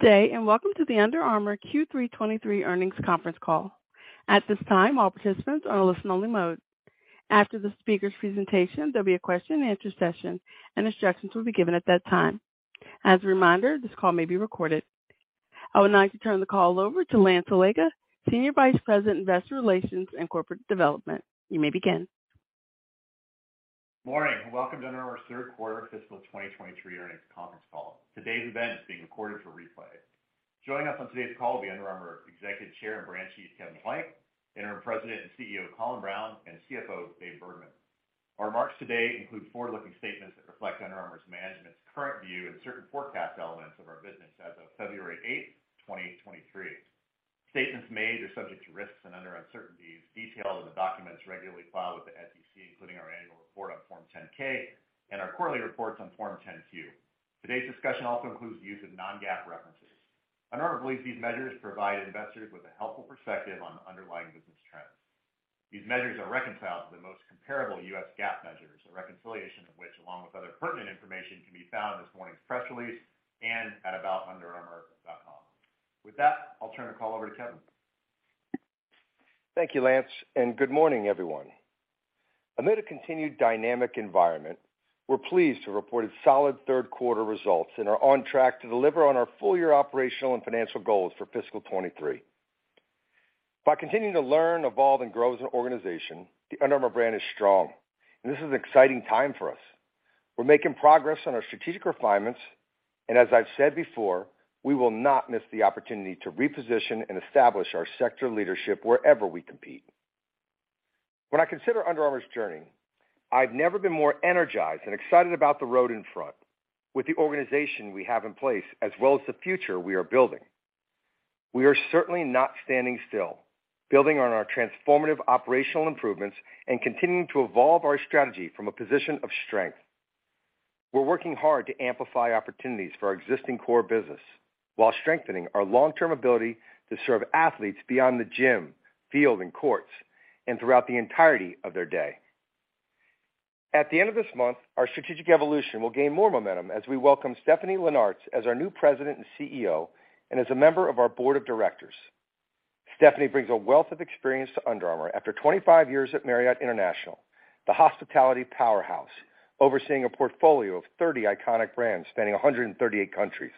Good day, and welcome to the Under Armour Q3 2023 earnings conference call. At this time, all participants are in listen only mode. After the speaker's presentation, there'll be a question and answer session, and instructions will be given at that time. As a reminder, this call may be recorded. I would now like to turn the call over to Lance Allega, Senior Vice President, Investor Relations and Corporate Development. You may begin. Morning, and welcome to Under Armour's third quarter fiscal 2023 earnings conference call. Today's event is being recorded for replay. Joining us on today's call will be Under Armour Executive Chair and Brand Chief, Kevin Plank; Interim President and CEO, Colin Browne; and CFO, Dave Bergman. Our remarks today include forward-looking statements that reflect Under Armour's management's current view and certain forecast elements of our business as of February 8th, 2023. Statements made are subject to risks and under uncertainties detailed in the documents regularly filed with the SEC, including our annual report on Form 10-K and our quarterly reports on Form 10-Q. Today's discussion also includes use of non-GAAP references. Under Armour believes these measures provide investors with a helpful perspective on underlying business trends. These measures are reconciled to the most comparable U.S. GAAP measures, a reconciliation of which, along with other pertinent information, can be found in this morning's press release and at about.underarmour.com. With that, I'll turn the call over to Kevin. Thank you, Lance. Good morning, everyone. Amid a continued dynamic environment, we're pleased to have reported solid third quarter results and are on track to deliver on our full-year operational and financial goals for fiscal 2023. By continuing to learn, evolve, and grow as an organization, the Under Armour brand is strong, and this is an exciting time for us. We're making progress on our strategic refinements, and as I've said before, we will not miss the opportunity to reposition and establish our sector leadership wherever we compete. When I consider Under Armour's journey, I've never been more energized and excited about the road in front with the organization we have in place, as well as the future we are building. We are certainly not standing still, building on our transformative operational improvements and continuing to evolve our strategy from a position of strength. We're working hard to amplify opportunities for our existing core business while strengthening our long-term ability to serve athletes beyond the gym, field, and courts, and throughout the entirety of their day. At the end of this month, our strategic evolution will gain more momentum as we welcome Stephanie Linnartz as our new President and CEO and as a member of our board of directors. Stephanie brings a wealth of experience to Under Armour after 25 years at Marriott International, the hospitality powerhouse overseeing a portfolio of 30 iconic brands spanning 138 countries.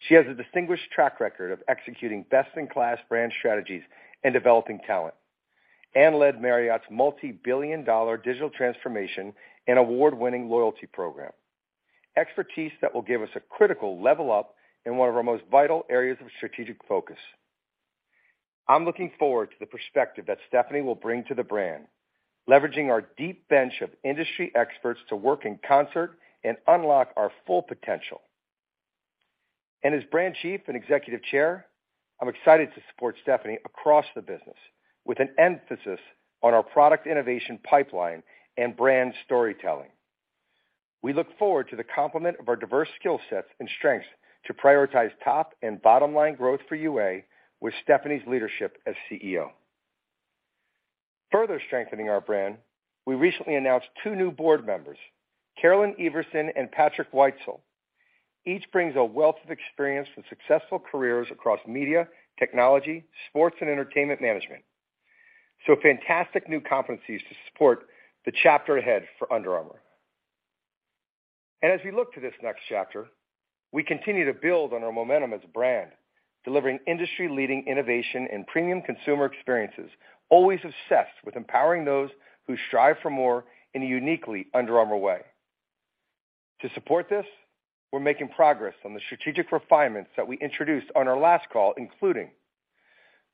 She has a distinguished track record of executing best-in-class brand strategies and developing talent, and led Marriott's multi-billion dollar digital transformation and award-winning loyalty program. Expertise that will give us a critical level up in one of our most vital areas of strategic focus. I'm looking forward to the perspective that Stephanie will bring to the brand, leveraging our deep bench of industry experts to work in concert and unlock our full potential. As brand chief and executive chair, I'm excited to support Stephanie across the business with an emphasis on our product innovation pipeline and brand storytelling. We look forward to the complement of our diverse skill sets and strengths to prioritize top and bottom-line growth for UA with Stephanie's leadership as CEO. Further strengthening our brand, we recently announced two new board members, Carolyn Everson and Patrick Whitesell. Each brings a wealth of experience with successful careers across media, technology, sports, and entertainment management, fantastic new competencies to support the chapter ahead for Under Armour. As we look to this next chapter, we continue to build on our momentum as a brand, delivering industry-leading innovation and premium consumer experiences, always obsessed with empowering those who strive for more in a uniquely Under Armour way. To support this, we're making progress on the strategic refinements that we introduced on our last call, including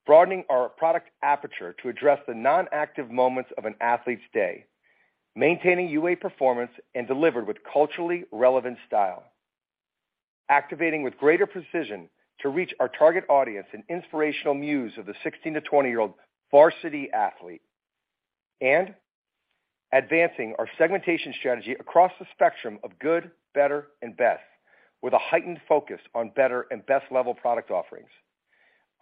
broadening our product aperture to address the non-active moments of an athlete's day, maintaining UA performance and delivered with culturally relevant style. Activating with greater precision to reach our target audience and inspirational muse of the 16-to-20-year-old varsity athlete. Advancing our segmentation strategy across the spectrum of good, better, and best, with a heightened focus on better and best level product offerings.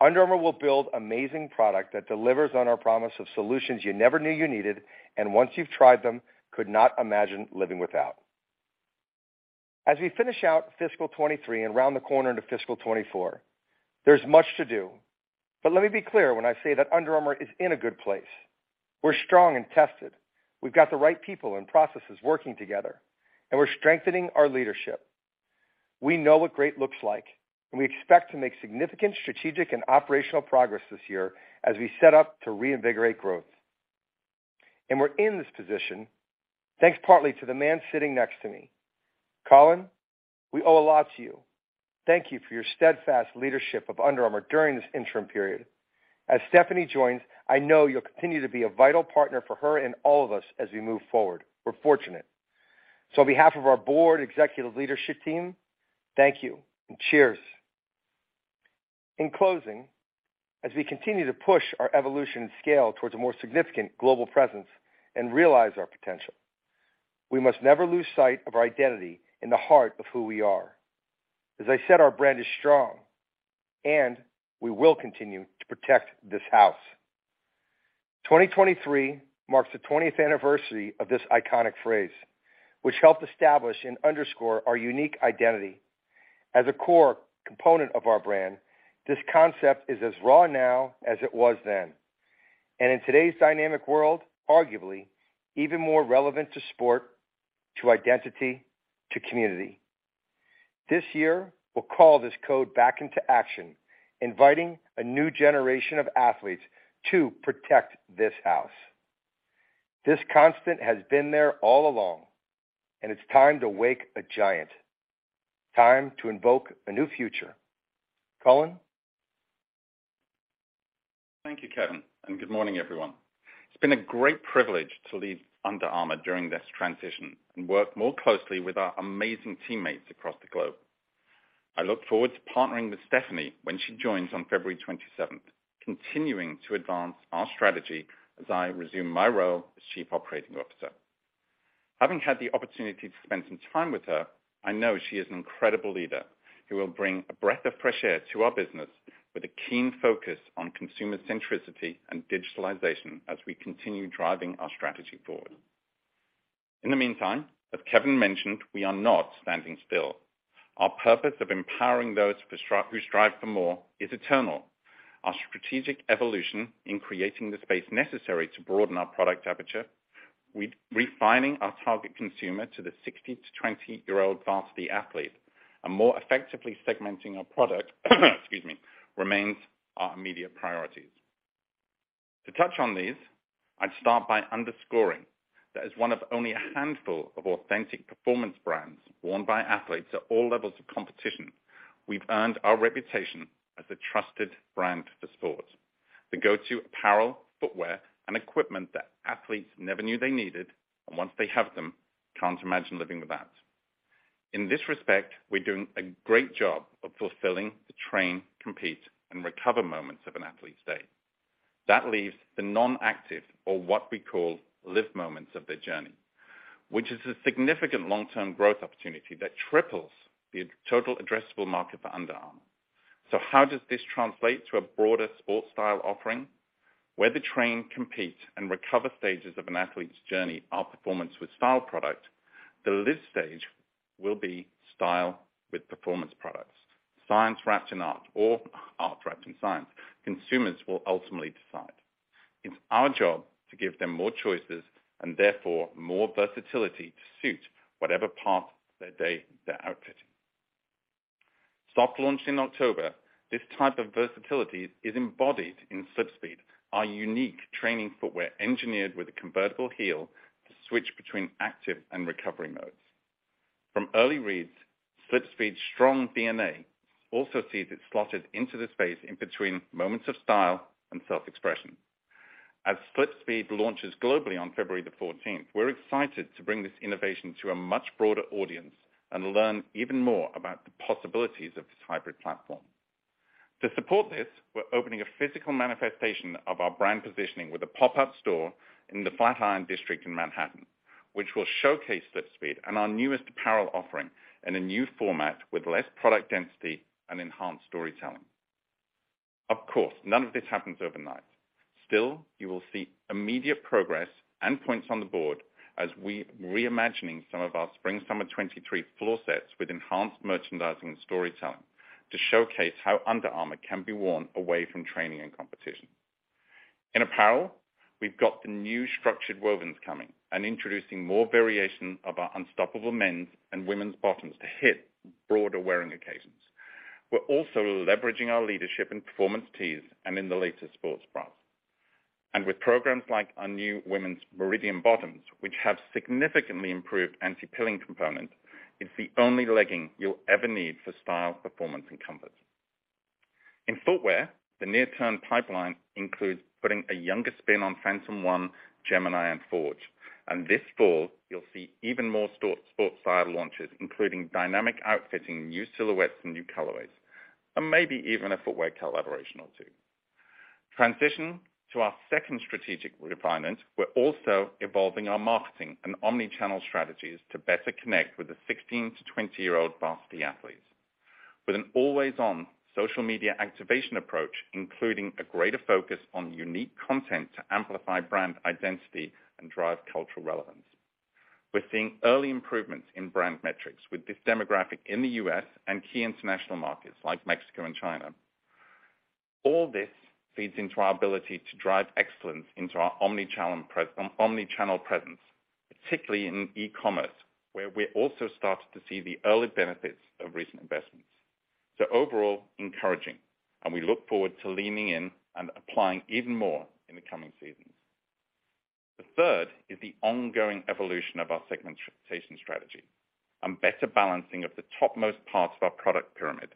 Under Armour will build amazing product that delivers on our promise of solutions you never knew you needed, and once you've tried them, could not imagine living without. As we finish out fiscal 2023 and round the corner into fiscal 2024, there's much to do. Let me be clear when I say that Under Armour is in a good place. We're strong and tested. We've got the right people and processes working together, and we're strengthening our leadership. We know what great looks like, and we expect to make significant strategic and operational progress this year as we set up to reinvigorate growth. We're in this position, thanks partly to the man sitting next to me. Colin, we owe a lot to you. Thank you for your steadfast leadership of Under Armour during this interim period. As Stephanie joins, I know you'll continue to be a vital partner for her and all of us as we move forward. We're fortunate. On behalf of our board executive leadership team, thank you and cheers. In closing, as we continue to push our evolution and scale towards a more significant global presence and realize our potential, we must never lose sight of our identity in the heart of who we are. As I said, our brand is strong, and we will continue to protect this house. 2023 marks the twentieth anniversary of this iconic phrase, which helped establish and underscore our unique identity as a core component of our brand. This concept is as raw now as it was then, and in today's dynamic world, arguably even more relevant to sport, to identity, to community. This year, we'll call this code back into action, inviting a new generation of athletes to protect this house. This constant has been there all along, and it's time to wake a giant. Time to invoke a new future. Colin? Thank you, Kevin. Good morning, everyone. It's been a great privilege to lead Under Armour during this transition and work more closely with our amazing teammates across the globe. I look forward to partnering with Stephanie when she joins on February 27th, continuing to advance our strategy as I resume my role as Chief Operating Officer. Having had the opportunity to spend some time with her, I know she is an incredible leader who will bring a breath of fresh air to our business with a keen focus on consumer centricity and digitalization as we continue driving our strategy forward. In the meantime, as Kevin mentioned, we are not standing still. Our purpose of empowering those who strive for more is eternal. Our strategic evolution in creating the space necessary to broaden our product aperture, re-refining our target consumer to the 16-to-20-year-old varsity athlete, and more effectively segmenting our product, excuse me, remains our immediate priorities. To touch on these, I'd start by underscoring that as one of only a handful of authentic performance brands worn by athletes at all levels of competition, we've earned our reputation as a trusted brand for sport. The go-to apparel, footwear, and equipment that athletes never knew they needed, and once they have them, can't imagine living without. In this respect, we're doing a great job of fulfilling the train, compete, and recover moments of an athlete's day. That leaves the non-active or what we call LIV moments of their journey, which is a significant long-term growth opportunity that triples the total addressable market for Under Armour. How does this translate to a broader sport style offering? Where the train, compete, and recover stages of an athlete's journey are performance with style product, the list stage will be style with performance products. Science wrapped in art or art wrapped in science. Consumers will ultimately decide. It's our job to give them more choices and therefore, more versatility to suit whatever part of their day they're outfitting. Soft launch in October, this type of versatility is embodied in SlipSpeed, our unique training footwear engineered with a convertible heel to switch between active and recovery modes. From early reads, SlipSpeed's strong DNA also sees it slotted into the space in between moments of style and self-expression. As SlipSpeed launches globally on February 14th, we're excited to bring this innovation to a much broader audience and learn even more about the possibilities of this hybrid platform. To support this, we're opening a physical manifestation of our brand positioning with a pop-up store in the Flatiron District in Manhattan, which will showcase SlipSpeed and our newest apparel offering in a new format with less product density and enhanced storytelling. Still, you will see immediate progress and points on the board as we're reimagining some of our spring/summer 23 floor sets with enhanced merchandising and storytelling to showcase how Under Armour can be worn away from training and competition. In apparel, we've got the new structured wovens coming and introducing more variation of our Unstoppable men's and women's bottoms to hit broader wearing occasions. We're also leveraging our leadership in performance tees and in the latest sports bras. With programs like our new women's Meridian bottoms, which have significantly improved anti-pilling components, it's the only legging you'll ever need for style, performance, and comfort. In footwear, the near-term pipeline includes putting a younger spin on Phantom 1, Gemini, and Forge. This fall, you'll see even more sport style launches, including dynamic outfitting, new silhouettes, and new colorways, and maybe even a footwear collaboration or two. Transition to our second strategic refinement, we're also evolving our marketing and omni-channel strategies to better connect with the 16-to-20-year-old varsity athletes. With an always-on social media activation approach, including a greater focus on unique content to amplify brand identity and drive cultural relevance. We're seeing early improvements in brand metrics with this demographic in the U.S. and key international markets like Mexico and China. All this feeds into our ability to drive excellence into our omni-channel presence, particularly in e-commerce, where we're also starting to see the early benefits of recent investments. Overall, encouraging, and we look forward to leaning in and applying even more in the coming seasons. The third is the ongoing evolution of our segmentation strategy and better balancing of the topmost parts of our product pyramid.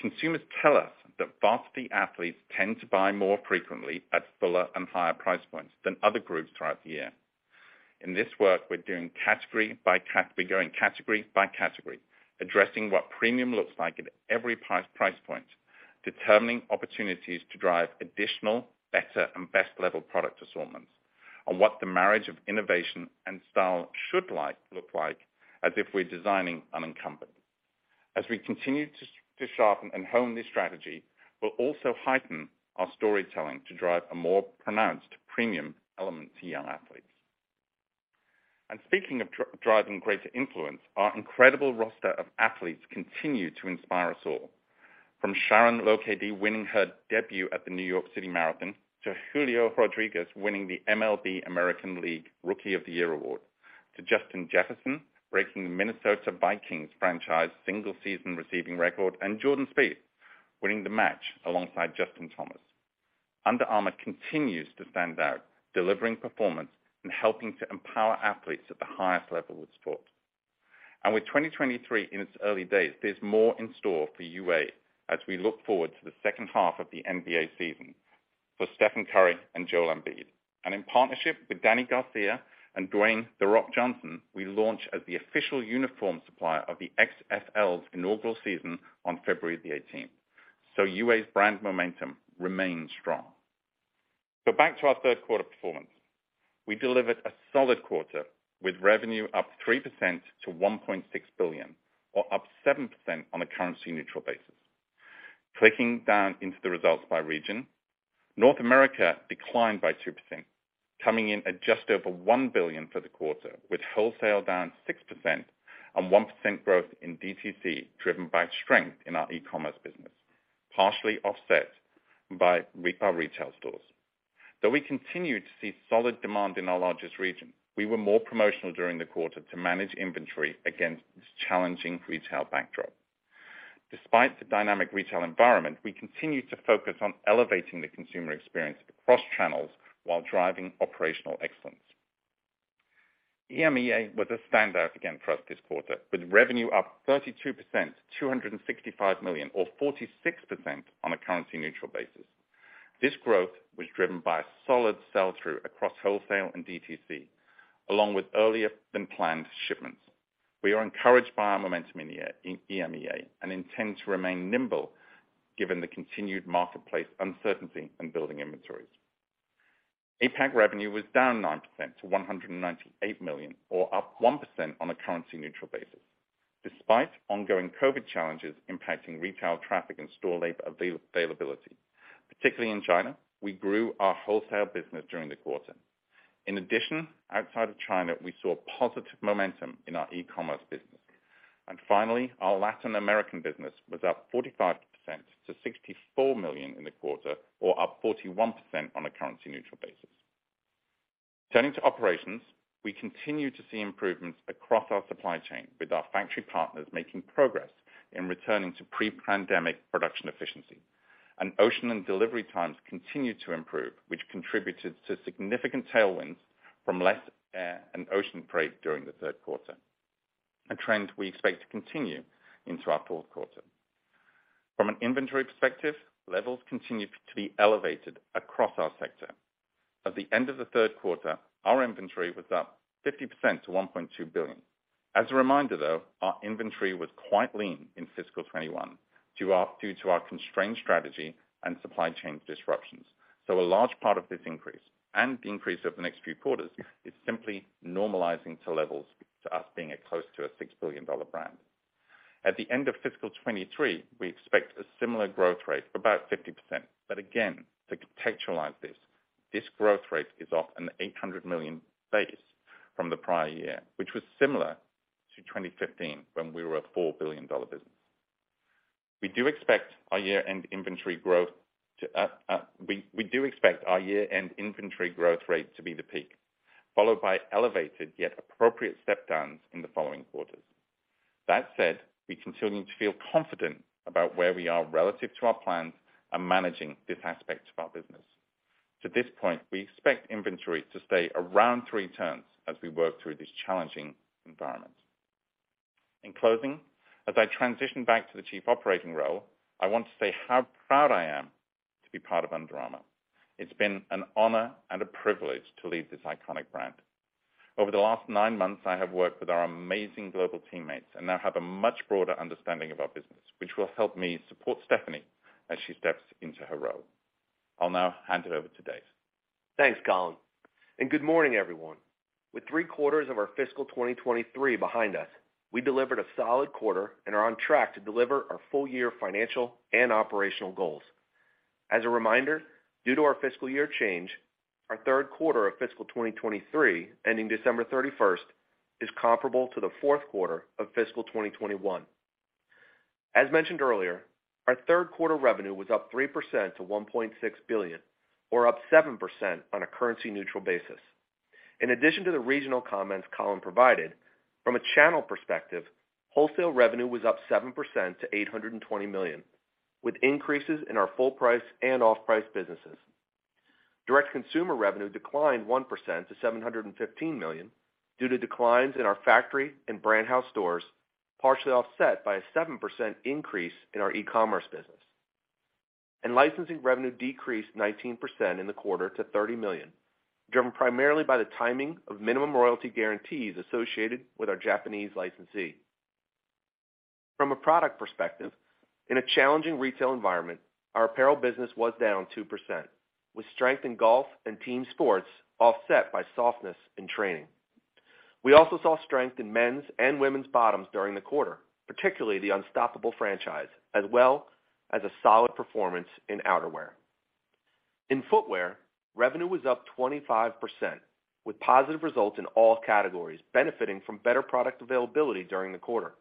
Consumers tell us that varsity athletes tend to buy more frequently at fuller and higher price points than other groups throughout the year. In this work, we're going category by category, addressing what premium looks like at every price point, determining opportunities to drive additional, better, and best level product assortments on what the marriage of innovation and style should look like as if we're designing unincumbent. As we continue to sharpen and hone this strategy, we'll also heighten our storytelling to drive a more pronounced premium element to young athletes. And speaking of driving greater influence, our incredible roster of athletes continue to inspire us all. From Sharon Lokedi winning her debut at the New York City Marathon, to Julio Rodríguez winning the MLB American League Rookie of the Year award, to Justin Jefferson breaking the Minnesota Vikings franchise single season receiving record, and Jordan Spieth winning the match alongside Justin Thomas. Under Armour continues to stand out, delivering performance and helping to empower athletes at the highest level of sport. With 2023 in its early days, there's more in store for UA as we look forward to the second half of the NBA season for Stephen Curry and Joel Embiid. In partnership with Dany Garcia and Dwayne The Rock Johnson, we launch as the official uniform supplier of the XFL's inaugural season on February 18th. UA's brand momentum remains strong. Back to our third quarter performance. We delivered a solid quarter with revenue up 3% to $1.6 billion or up 7% on a currency neutral basis. Clicking down into the results by region, North America declined by 2%, coming in at just over $1 billion for the quarter, with wholesale down 6% and 1% growth in DTC, driven by strength in our e-commerce business, partially offset by our retail stores. Though we continued to see solid demand in our largest region, we were more promotional during the quarter to manage inventory against this challenging retail backdrop. Despite the dynamic retail environment, we continued to focus on elevating the consumer experience across channels while driving operational excellence. EMEA was a standout again for us this quarter, with revenue up 32%, $265 million, or 46% on a currency neutral basis. This growth was driven by a solid sell-through across wholesale and DTC, along with earlier than planned shipments. We are encouraged by our momentum in EMEA and intend to remain nimble given the continued marketplace uncertainty and building inventories. APAC revenue was down 9% to $198 million, or up 1% on a currency neutral basis. Despite ongoing COVID challenges impacting retail traffic and store labor availability, particularly in China, we grew our wholesale business during the quarter. In addition, outside of China, we saw positive momentum in our e-commerce business. Finally, our Latin American business was up 45% to $64 million in the quarter, or up 41% on a currency neutral basis. Turning to operations, we continue to see improvements across our supply chain with our factory partners making progress in returning to pre-pandemic production efficiency. Ocean and delivery times continue to improve, which contributed to significant tailwinds from less air and ocean freight during the third quarter, a trend we expect to continue into our fourth quarter. From an inventory perspective, levels continued to be elevated across our sector. At the end of the third quarter, our inventory was up 50% to $1.2 billion. As a reminder though, our inventory was quite lean in fiscal 2021 due to our constrained strategy and supply chain disruptions. A large part of this increase and the increase over the next few quarters is simply normalizing to levels to us being a close to a $6 billion brand. At the end of fiscal 2023, we expect a similar growth rate, about 50%. Again, to contextualize this growth rate is off an $800 million base from the prior year, which was similar to 2015 when we were a $4 billion business. We do expect our year-end inventory growth rate to be the peak, followed by elevated yet appropriate step downs in the following quarters. That said, we continue to feel confident about where we are relative to our plans and managing this aspect of our business. To this point, we expect inventory to stay around three turns as we work through this challenging environment. In closing, as I transition back to the Chief Operating Role, I want to say how proud I am to be part of Under Armour. It's been an honor and a privilege to lead this iconic brand. Over the last nine months, I have worked with our amazing global teammates and now have a much broader understanding of our business, which will help me support Stephanie as she steps into her role. I'll now hand it over to Dave. Thanks, Colin. Good morning, everyone. With three quarters of our fiscal 2023 behind us, we delivered a solid quarter and are on track to deliver our full year financial and operational goals. As a reminder, due to our fiscal year change, our third quarter of fiscal 2023, ending December 31st, is comparable to the 4th quarter of fiscal 2021. As mentioned earlier, our third quarter revenue was up 3% to $1.6 billion or up 7% on a currency neutral basis. In addition to the regional comments Colin provided, from a channel perspective, wholesale revenue was up 7% to $820 million, with increases in our full price and off-price businesses. Direct consumer revenue declined 1% to $715 million due to declines in our factory and brand house stores, partially offset by a 7% increase in our e-commerce business. Licensing revenue decreased 19% in the quarter to $30 million, driven primarily by the timing of minimum royalty guarantees associated with our Japanese licensee. From a product perspective In a challenging retail environment, our apparel business was down 2%, with strength in golf and team sports offset by softness in training. We also saw strength in men's and women's bottoms during the quarter, particularly the Unstoppable franchise, as well as a solid performance in outerwear. In footwear, revenue was up 25%, with positive results in all categories, benefiting from better product availability during the quarter.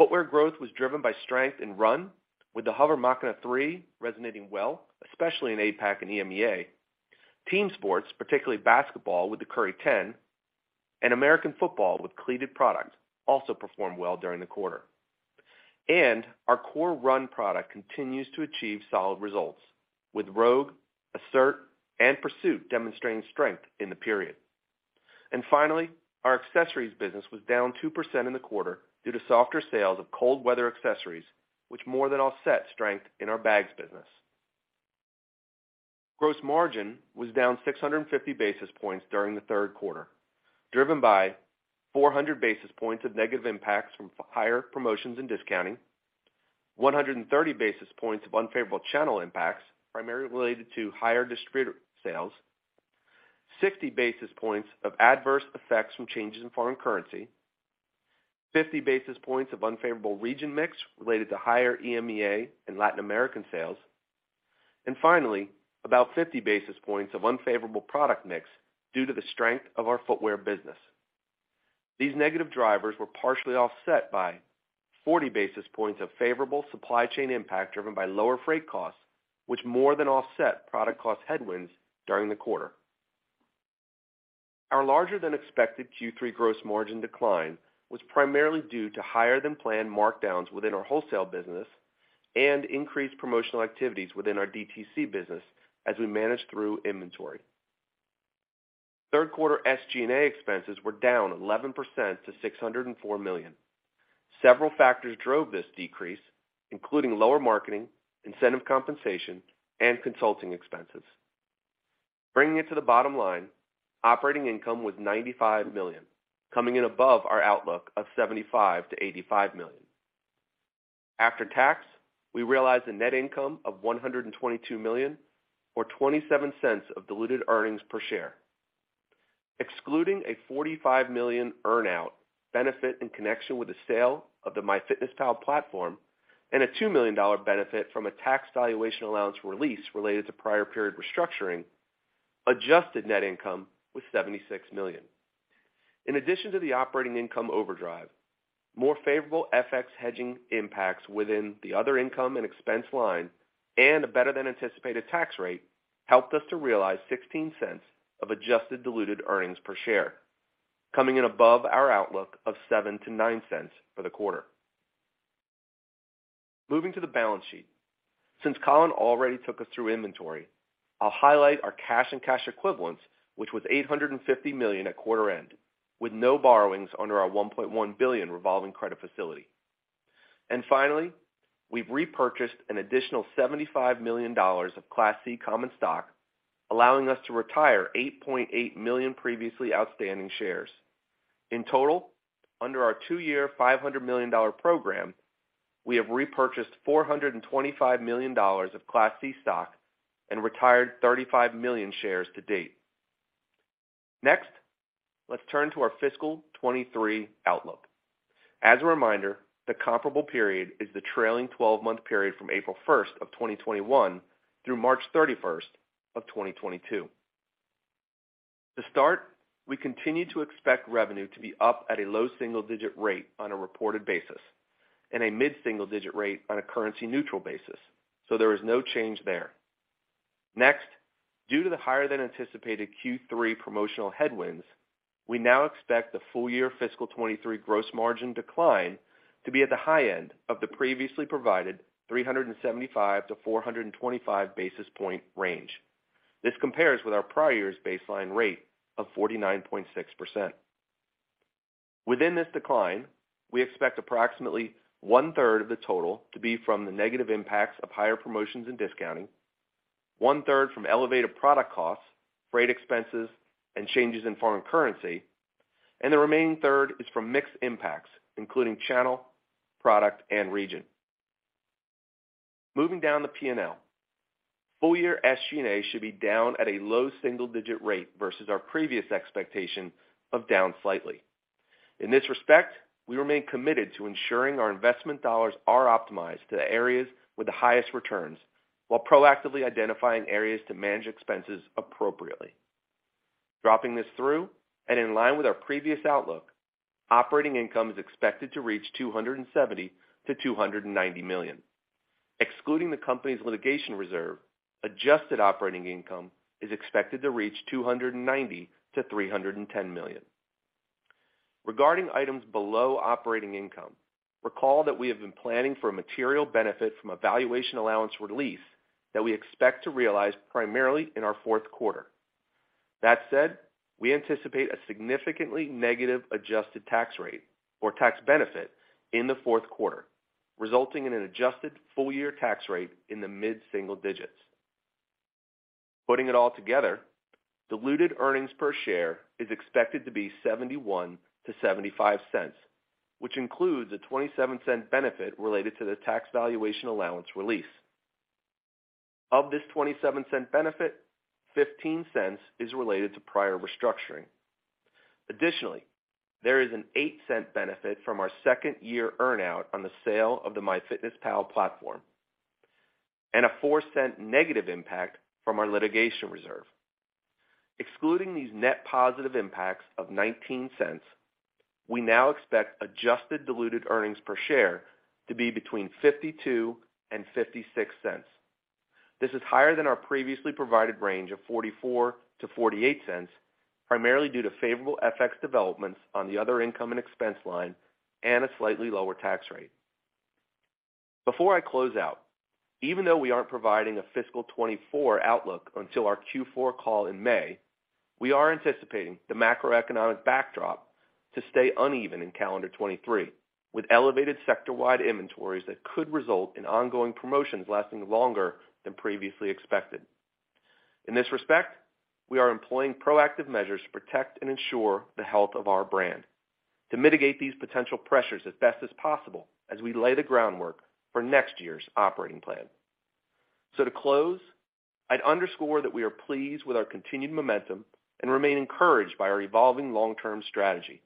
Footwear growth was driven by strength in run, with the HOVR Machina 3 resonating well, especially in APAC and EMEA. Team sports, particularly basketball with the Curry 10, and American football with cleated product also performed well during the quarter. Our core run product continues to achieve solid results, with Rogue, Assert, and Pursuit demonstrating strength in the period. Finally, our accessories business was down 2% in the quarter due to softer sales of cold weather accessories, which more than offset strength in our bags business. Gross margin was down 650 basis points during the third quarter, driven by 400 basis points of negative impacts from higher promotions and discounting, 130 basis points of unfavorable channel impacts, primarily related to higher distributor sales, 60 basis points of adverse effects from changes in foreign currency, 50 basis points of unfavorable region mix related to higher EMEA and Latin American sales, and finally, about 50 basis points of unfavorable product mix due to the strength of our footwear business. These negative drivers were partially offset by 40 basis points of favorable supply chain impact driven by lower freight costs, which more than offset product cost headwinds during the quarter. Our larger than expected Q3 gross margin decline was primarily due to higher than planned markdowns within our wholesale business and increased promotional activities within our DTC business as we managed through inventory. Third quarter SG&A expenses were down 11% to $604 million. Several factors drove this decrease, including lower marketing, incentive compensation, and consulting expenses. Bringing it to the bottom line, operating income was $95 million, coming in above our outlook of $75 million-$85 million. After tax, we realized a net income of $122 million or $0.27 of diluted earnings per share. Excluding a $45 million earn-out benefit in connection with the sale of the MyFitnessPal platform and a $2 million benefit from a tax valuation allowance release related to prior period restructuring, adjusted net income was $76 million. In addition to the operating income overdrive, more favorable FX hedging impacts within the other income and expense line and a better than anticipated tax rate helped us to realize $0.16 of adjusted diluted earnings per share, coming in above our outlook of $0.07-$0.09 for the quarter. Moving to the balance sheet. Since Colin already took us through inventory, I'll highlight our cash and cash equivalents, which was $850 million at quarter end, with no borrowings under our $1.1 billion revolving credit facility. Finally, we've repurchased an additional $75 million of Class C common stock, allowing us to retire 8.8 million previously outstanding shares. In total, under our two-year $500 million program, we have repurchased $425 million of Class C stock and retired 35 million shares to date. Next, let's turn to our fiscal 2023 outlook. As a reminder, the comparable period is the trailing 12-month period from April 1st, 2021 through March 31st, 2022. To start, we continue to expect revenue to be up at a low single-digit rate on a reported basis and a mid-single digit rate on a currency neutral basis. There is no change there. Next, due to the higher than anticipated Q3 promotional headwinds, we now expect the full year fiscal 23 gross margin decline to be at the high end of the previously provided 375-425 basis point range. This compares with our prior year's baseline rate of 49.6%. Within this decline, we expect approximately one-third of the total to be from the negative impacts of higher promotions and discounting, one-third from elevated product costs, freight expenses, and changes in foreign currency, and the remaining third is from mixed impacts, including channel, product, and region. Moving down the P&L. Full year SG&A should be down at a low single-digit rate versus our previous expectation of down slightly. In this respect, we remain committed to ensuring our investment dollars are optimized to the areas with the highest returns while proactively identifying areas to manage expenses appropriately. Dropping this through and in line with our previous outlook, operating income is expected to reach $270 million-$290 million. Excluding the company's litigation reserve, adjusted operating income is expected to reach $290 million-$310 million. Regarding items below operating income, recall that we have been planning for a material benefit from a valuation allowance release that we expect to realize primarily in our fourth quarter. We anticipate a significantly negative adjusted tax rate or tax benefit in the fourth quarter, resulting in an adjusted full-year tax rate in the mid-single digits. Putting it all together, diluted earnings per share is expected to be $0.71-$0.75, which includes a $0.27 benefit related to the tax valuation allowance release. Of this $0.27 benefit, $0.15 is related to prior restructuring. Additionally, there is an $0.08 benefit from our second year earn out on the sale of the MyFitnessPal platform and a $0.04 negative impact from our litigation reserve. Excluding these net positive impacts of $0.19, we now expect adjusted diluted earnings per share to be between $0.52 and $0.56. This is higher than our previously provided range of $0.44 to $0.48, primarily due to favorable FX developments on the other income and expense line and a slightly lower tax rate. Before I close out, even though we aren't providing a fiscal 2024 outlook until our Q4 call in May, we are anticipating the macroeconomic backdrop to stay uneven in calendar 2023, with elevated sector-wide inventories that could result in ongoing promotions lasting longer than previously expected. In this respect, we are employing proactive measures to protect and ensure the health of our brand to mitigate these potential pressures as best as possible as we lay the groundwork for next year's operating plan. To close, I'd underscore that we are pleased with our continued momentum and remain encouraged by our evolving long-term strategy,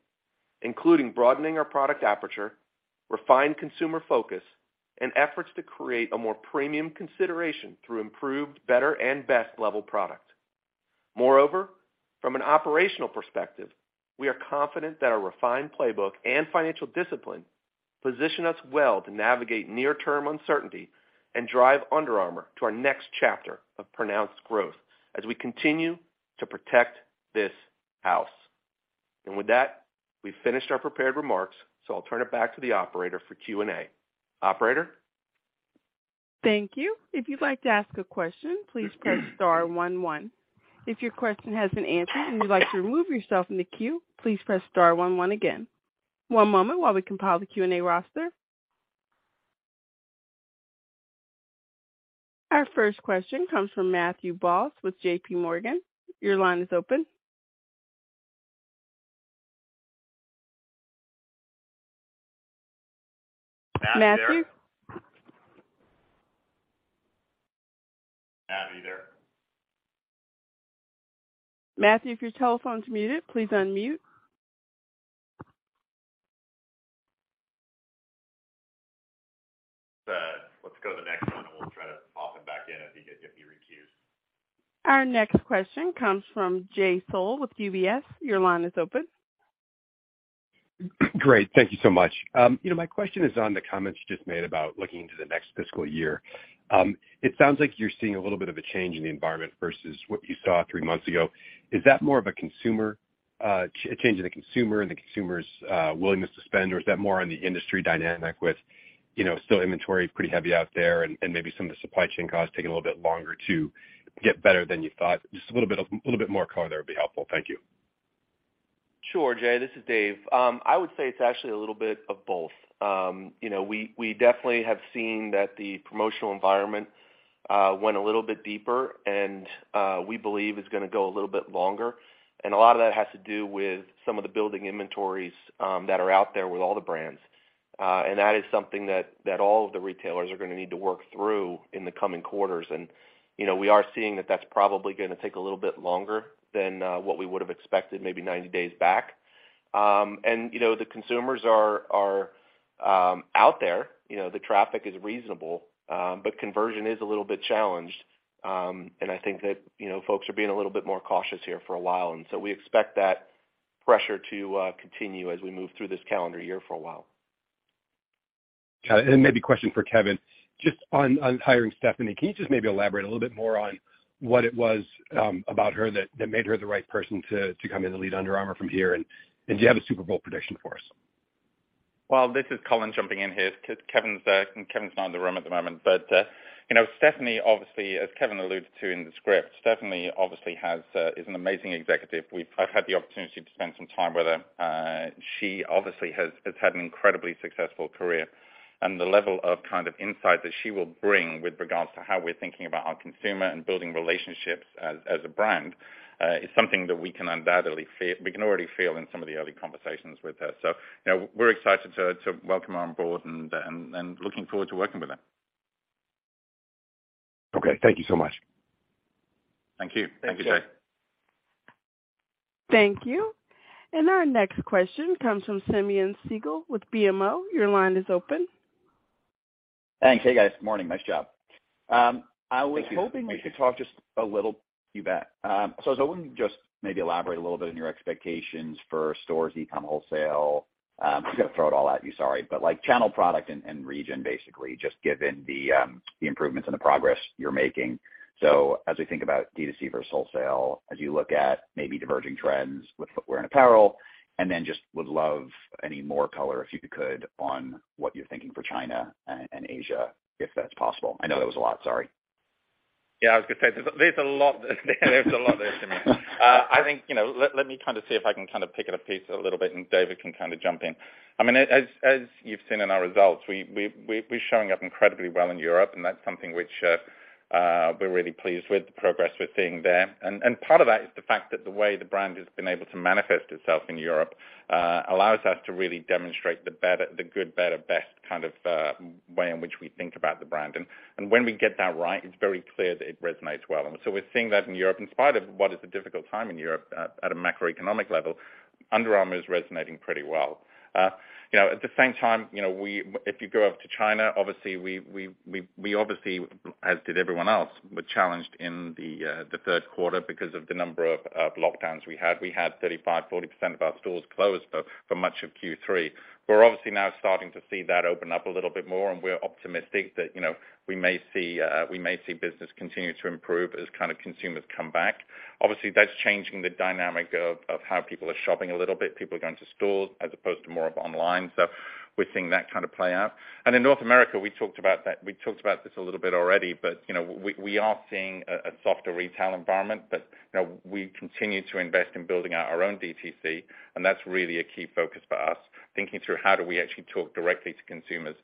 including broadening our product aperture, refined consumer focus, and efforts to create a more premium consideration through improved, better, and best level product. Moreover, from an operational perspective, we are confident that our refined playbook and financial discipline position us well to navigate near term uncertainty and drive Under Armour to our next chapter of pronounced growth as we continue to protect this house. With that, we've finished our prepared remarks. I'll turn it back to the operator for Q&A. Operator? Thank you. If you'd like to ask a question, please press star one one. If your question has been answered and you'd like to remove yourself from the queue, please press star one one again. One moment while we compile the Q&A roster. Our first question comes from Matthew Boss with JPMorgan. Your line is open. Matthew Boss? Matt, are you there? Matthew, if your telephone's muted, please unmute. Let's go to the next one, and we'll try to pop him back in if he re-queues. Our next question comes from Jay Sole with UBS. Your line is open. Great. Thank you so much. You know, my question is on the comments you just made about looking into the next fiscal year. It sounds like you're seeing a little bit of a change in the environment versus what you saw three months ago. Is that more of a consumer, change in the consumer and the consumer's willingness to spend? Or is that more on the industry dynamic with, you know, still inventory pretty heavy out there and maybe some of the supply chain costs taking a little bit longer to get better than you thought? Just a little bit more color there would be helpful. Thank you. Sure, Jay, this is Dave. I would say it's actually a little bit of both. You know, we definitely have seen that the promotional environment went a little bit deeper, and we believe it's gonna go a little bit longer. A lot of that has to do with some of the building inventories that are out there with all the brands. That is something that all of the retailers are gonna need to work through in the coming quarters. You know, we are seeing that that's probably gonna take a little bit longer than what we would have expected maybe 90 days back. You know, the consumers are out there. You know, the traffic is reasonable, but conversion is a little bit challenged. I think that, you know, folks are being a little bit more cautious here for a while. We expect that pressure to continue as we move through this calendar year for a while. Got it. Maybe a question for Kevin. Just on hiring Stephanie, can you just maybe elaborate a little bit more on what it was about her that made her the right person to come in and lead Under Armour from here? Do you have a Super Bowl prediction for us? Well, this is Colin jumping in here. Kevin's not in the room at the moment. You know, Stephanie, obviously, as Kevin alluded to in the script, Stephanie obviously has is an amazing executive. I've had the opportunity to spend some time with her. She obviously has had an incredibly successful career. The level of kind of insight that she will bring with regards to how we're thinking about our consumer and building relationships as a brand is something that we can undoubtedly we can already feel in some of the early conversations with her. You know, we're excited to welcome her on board and looking forward to working with her. Okay, thank you so much. Thank you. Thank you, Jay. Thank you. Our next question comes from Simeon Siegel with BMO. Your line is open. Thanks. Hey, guys. Morning. Nice job. Thank you. Hoping we could talk just a little... You bet. I was hoping you could just maybe elaborate a little bit on your expectations for stores e-com wholesale. I'm just gonna throw it all at you, sorry. like, channel product and region, basically, just given the improvements and the progress you're making. As we think about D2C versus wholesale, as you look at maybe diverging trends with footwear and apparel. just would love any more color, if you could, on what you're thinking for China and Asia, if that's possible. I know that was a lot. Sorry. Yeah, I was gonna say, there's a lot there. There's a lot there, Simeon. I think, you know, let me kind of see if I can kind of pick it apiece a little bit, and Dave can kind of jump in. I mean, as you've seen in our results, we're showing up incredibly well in Europe, and that's something which we're really pleased with the progress we're seeing there. Part of that is the fact that the way the brand has been able to manifest itself in Europe, allows us to really demonstrate the better... the good, better, best kind of way in which we think about the brand. When we get that right, it's very clear that it resonates well. We're seeing that in Europe, in spite of what is a difficult time in Europe at a macroeconomic level, Under Armour is resonating pretty well. You know, at the same time, you know, if you go up to China, obviously, we obviously, as did everyone else, were challenged in the third quarter because of the number of lockdowns we had. We had 35%-40% of our stores closed for much of Q3. We're obviously now starting to see that open up a little bit more, and we're optimistic that, you know, we may see business continue to improve as kind of consumers come back. Obviously, that's changing the dynamic of how people are shopping a little bit. People are going to stores as opposed to more of online. We're seeing that kind of play out. In North America, we talked about this a little bit already, but, you know, we are seeing a softer retail environment. You know, we continue to invest in building out our own DTC, and that's really a key focus for us, thinking through how do we actually talk directly to consumers.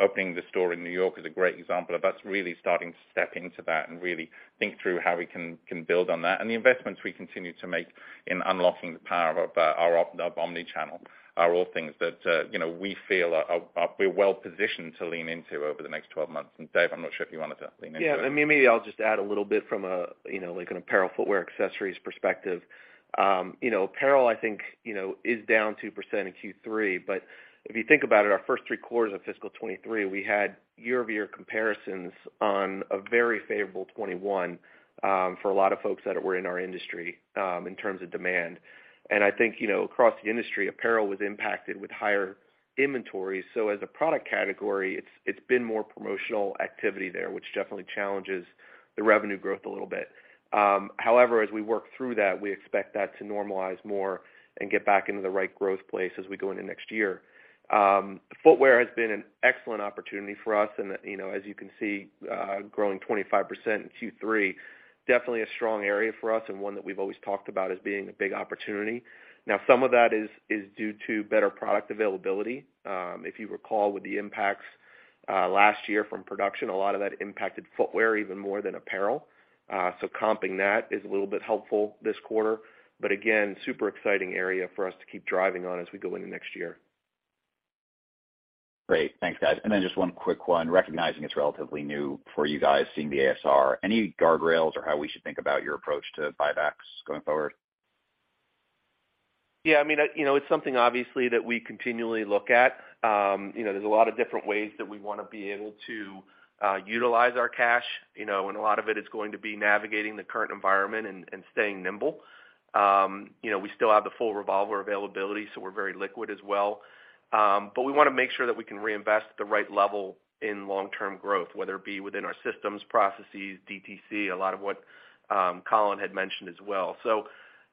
Opening the store in New York is a great example of us really starting to step into that and really think through how we can build on that. The investments we continue to make in unlocking the power of our omni-channel are all things that, you know, we feel we're well-positioned to lean into over the next 12 months. Dave, I'm not sure if you wanted to lean into that. Yeah. I mean, maybe I'll just add a little bit from a, you know, like an apparel, footwear, accessories perspective. You know, apparel, I think, you know, is down 2% in Q3. If you think about it, our first three quarters of fiscal 2023, we had year-over-year comparisons on a very favorable 2021, for a lot of folks that were in our industry, in terms of demand. I think, you know, across the industry, apparel was impacted with higher inventory. As a product category, it's been more promotional activity there, which definitely challenges the revenue growth a little bit. However, as we work through that, we expect that to normalize more and get back into the right growth place as we go into next year. Footwear has been an excellent opportunity for us. You know, as you can see, growing 25% in Q3, definitely a strong area for us and one that we've always talked about as being a big opportunity. Some of that is due to better product availability. If you recall with the impacts, last year from production, a lot of that impacted footwear even more than apparel. Comping that is a little bit helpful this quarter. Again, super exciting area for us to keep driving on as we go into next year. Great. Thanks, guys. Just one quick one, recognizing it's relatively new for you guys seeing the ASR, any guardrails or how we should think about your approach to buybacks going forward? Yeah, I mean, you know, it's something obviously that we continually look at. You know, there's a lot of different ways that we wanna be able to utilize our cash, you know, and a lot of it is going to be navigating the current environment and staying nimble. You know, we still have the full revolver availability, so we're very liquid as well. But we wanna make sure that we can reinvest at the right level in long-term growth, whether it be within our systems, processes, DTC, a lot of what Colin had mentioned as well.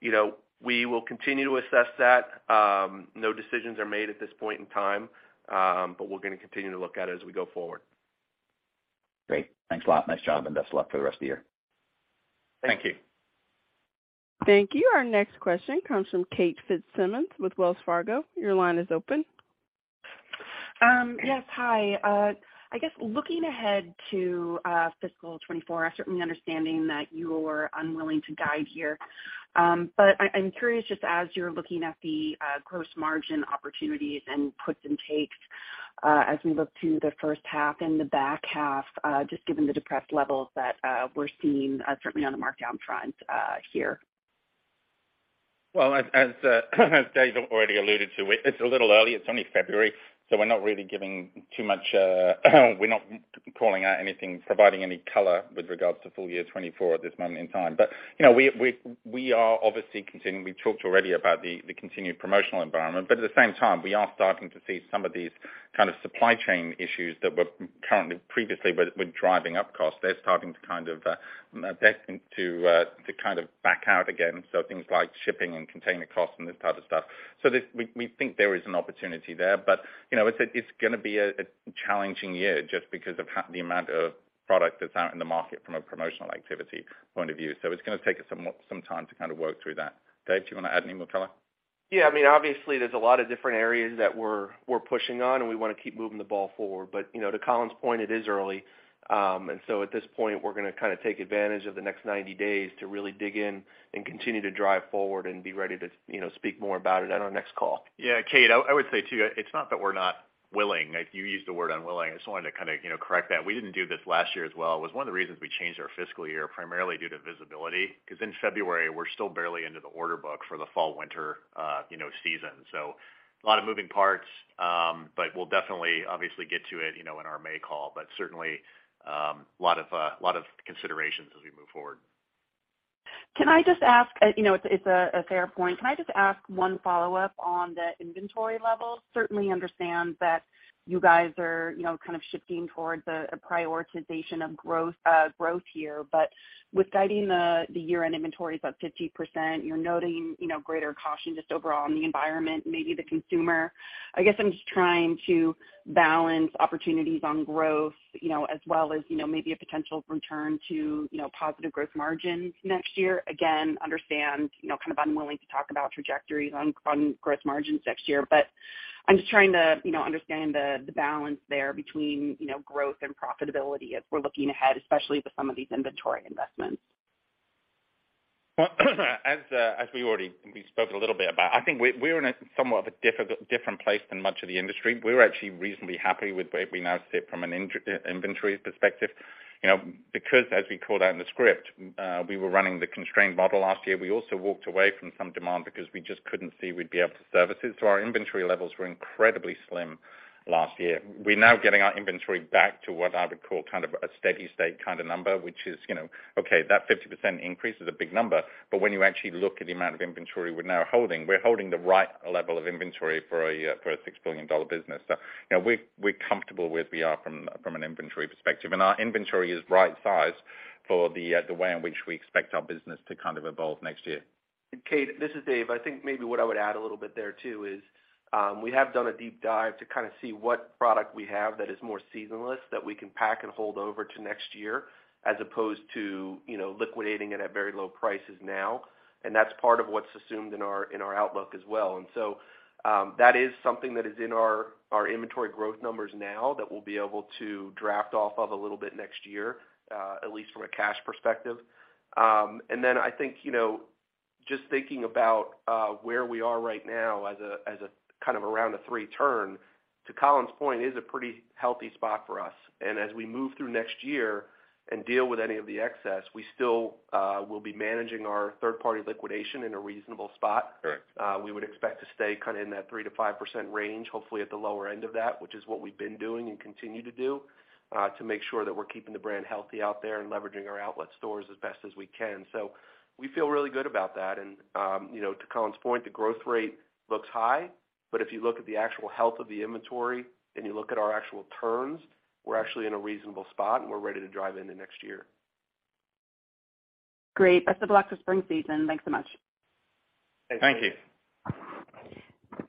You know, we will continue to assess that. No decisions are made at this point in time, but we're gonna continue to look at it as we go forward. Great. Thanks a lot. Nice job, and best of luck for the rest of the year. Thank you. Thank you. Thank you. Our next question comes from Katy Fitzsimons with Wells Fargo. Your line is open. Yes, hi. I guess looking ahead to fiscal 2024, certainly understanding that you're unwilling to guide here. I'm curious just as you're looking at the gross margin opportunities and puts and takes, as we look to the first half and the back half, just given the depressed levels that we're seeing, certainly on the markdown front, here. Well, as Dave already alluded to, it's a little early, it's only February, so we're not really giving too much, we're not calling out anything, providing any color with regards to full year 2024 at this moment in time. You know, we are obviously continuing. We've talked already about the continued promotional environment, but at the same time, we are starting to see some of these kind of supply chain issues that previously were driving up costs. They're starting to kind of, they're starting to kind of back out again, so things like shipping and container costs and this type of stuff. We think there is an opportunity there. You know, it's gonna be a challenging year just because of how the amount of product that's out in the market from a promotional activity point of view. it's gonna take us some more time to kind of work through that. Dave, do you wanna add any more color? Yeah. I mean, obviously there's a lot of different areas that we're pushing on, and we wanna keep moving the ball forward. you know, to Colin's point, it is early. at this point, we're gonna kinda take advantage of the next 90 days to really dig in and continue to drive forward and be ready to, you know, speak more about it at our next call. Yeah, Kate, I would say too, it's not that we're not willing. Like, you used the word unwilling. I just wanted to kinda, you know, correct that. We didn't do this last year as well. It was one of the reasons we changed our fiscal year, primarily due to visibility. 'Cause in February, we're still barely into the order book for the fall/winter, you know, season. A lot of moving parts. We'll definitely obviously get to it, you know, in our May call. Certainly, lot of considerations as we move forward. Can I just ask. You know, it's a fair point. Can I just ask one follow-up on the inventory levels? Certainly understand that you guys are, you know, kind of shifting towards a prioritization of growth here. With guiding the year-end inventories up 50%, you're noting, you know, greater caution just overall on the environment and maybe the consumer. I guess I'm just trying to balance opportunities on growth, you know, as well as, you know, maybe a potential return to, you know, positive growth margins next year. Again, understand, you know, kind of unwilling to talk about trajectories on growth margins next year. I'm just trying to, you know, understand the balance there between, you know, growth and profitability as we're looking ahead, especially with some of these inventory investments. Well, as we already spoke a little bit about, I think we're in a somewhat of a different place than much of the industry. We're actually reasonably happy with where we now sit from an inventory perspective. You know, as we called out in the script, we were running the constrained model last year. We also walked away from some demand because we just couldn't see we'd be able to service it. Our inventory levels were incredibly slim last year. We're now getting our inventory back to what I would call kind of a steady state kind of number, which is, you know, okay, that 50% increase is a big number, but when you actually look at the amount of inventory we're now holding, we're holding the right level of inventory for a, for a $6 billion business. You know, we're comfortable where we are from an inventory perspective, and our inventory is right sized for the way in which we expect our business to kind of evolve next year. Kate, this is Dave. I think maybe what I would add a little bit there too is, we have done a deep dive to kinda see what product we have that is more seasonless, that we can pack and hold over to next year, as opposed to, you know, liquidating it at very low prices now. That's part of what's assumed in our, in our outlook as well. That is something that is in our inventory growth numbers now that we'll be able to draft off of a little bit next year, at least from a cash perspective. I think, you know, just thinking about, where we are right now as a, as a kind of around a three turn, to Colin's point, is a pretty healthy spot for us. As we move through next year and deal with any of the excess, we still will be managing our third party liquidation in a reasonable spot. Correct. We would expect to stay kinda in that 3%-5% range, hopefully at the lower end of that, which is what we've been doing and continue to do, to make sure that we're keeping the brand healthy out there and leveraging our outlet stores as best as we can. We feel really good about that. You know, to Colin's point, the growth rate looks high, but if you look at the actual health of the inventory and you look at our actual turns, we're actually in a reasonable spot, and we're ready to drive into next year. Great. Best of luck to spring season. Thanks so much. Thank you. Thank you.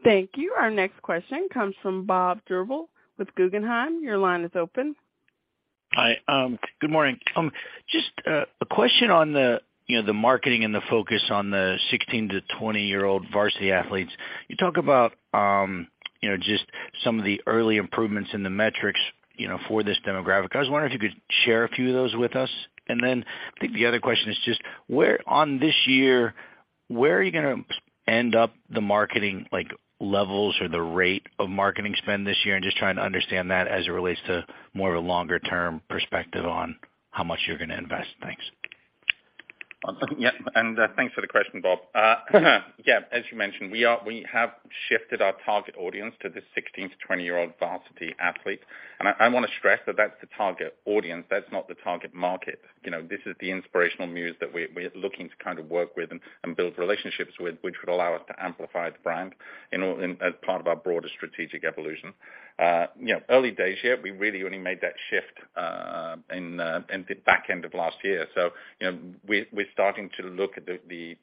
Thank you. Our next question comes from Bob Drbul with Guggenheim. Your line is open. Hi, good morning. Just a question on the marketing and the focus on the 16-20-year-old varsity athletes. You talk about just some of the early improvements in the metrics for this demographic. I was wondering if you could share a few of those with us. I think the other question is, on this year, where are you gonna end up the marketing levels or the rate of marketing spend this year? I'm trying to understand that as it relates to more of a longer term perspective on how much you're gonna invest. Thanks. Thanks for the question, Bob. As you mentioned, we have shifted our target audience to the 16-20-year-old varsity athletes. I wanna stress that that's the target audience, that's not the target market. You know, this is the inspirational muse that we're looking to kind of work with and build relationships with, which would allow us to amplify the brand in, as part of our broader strategic evolution. You know, early days yet, we really only made that shift in the back end of last year. You know, we're starting to look at the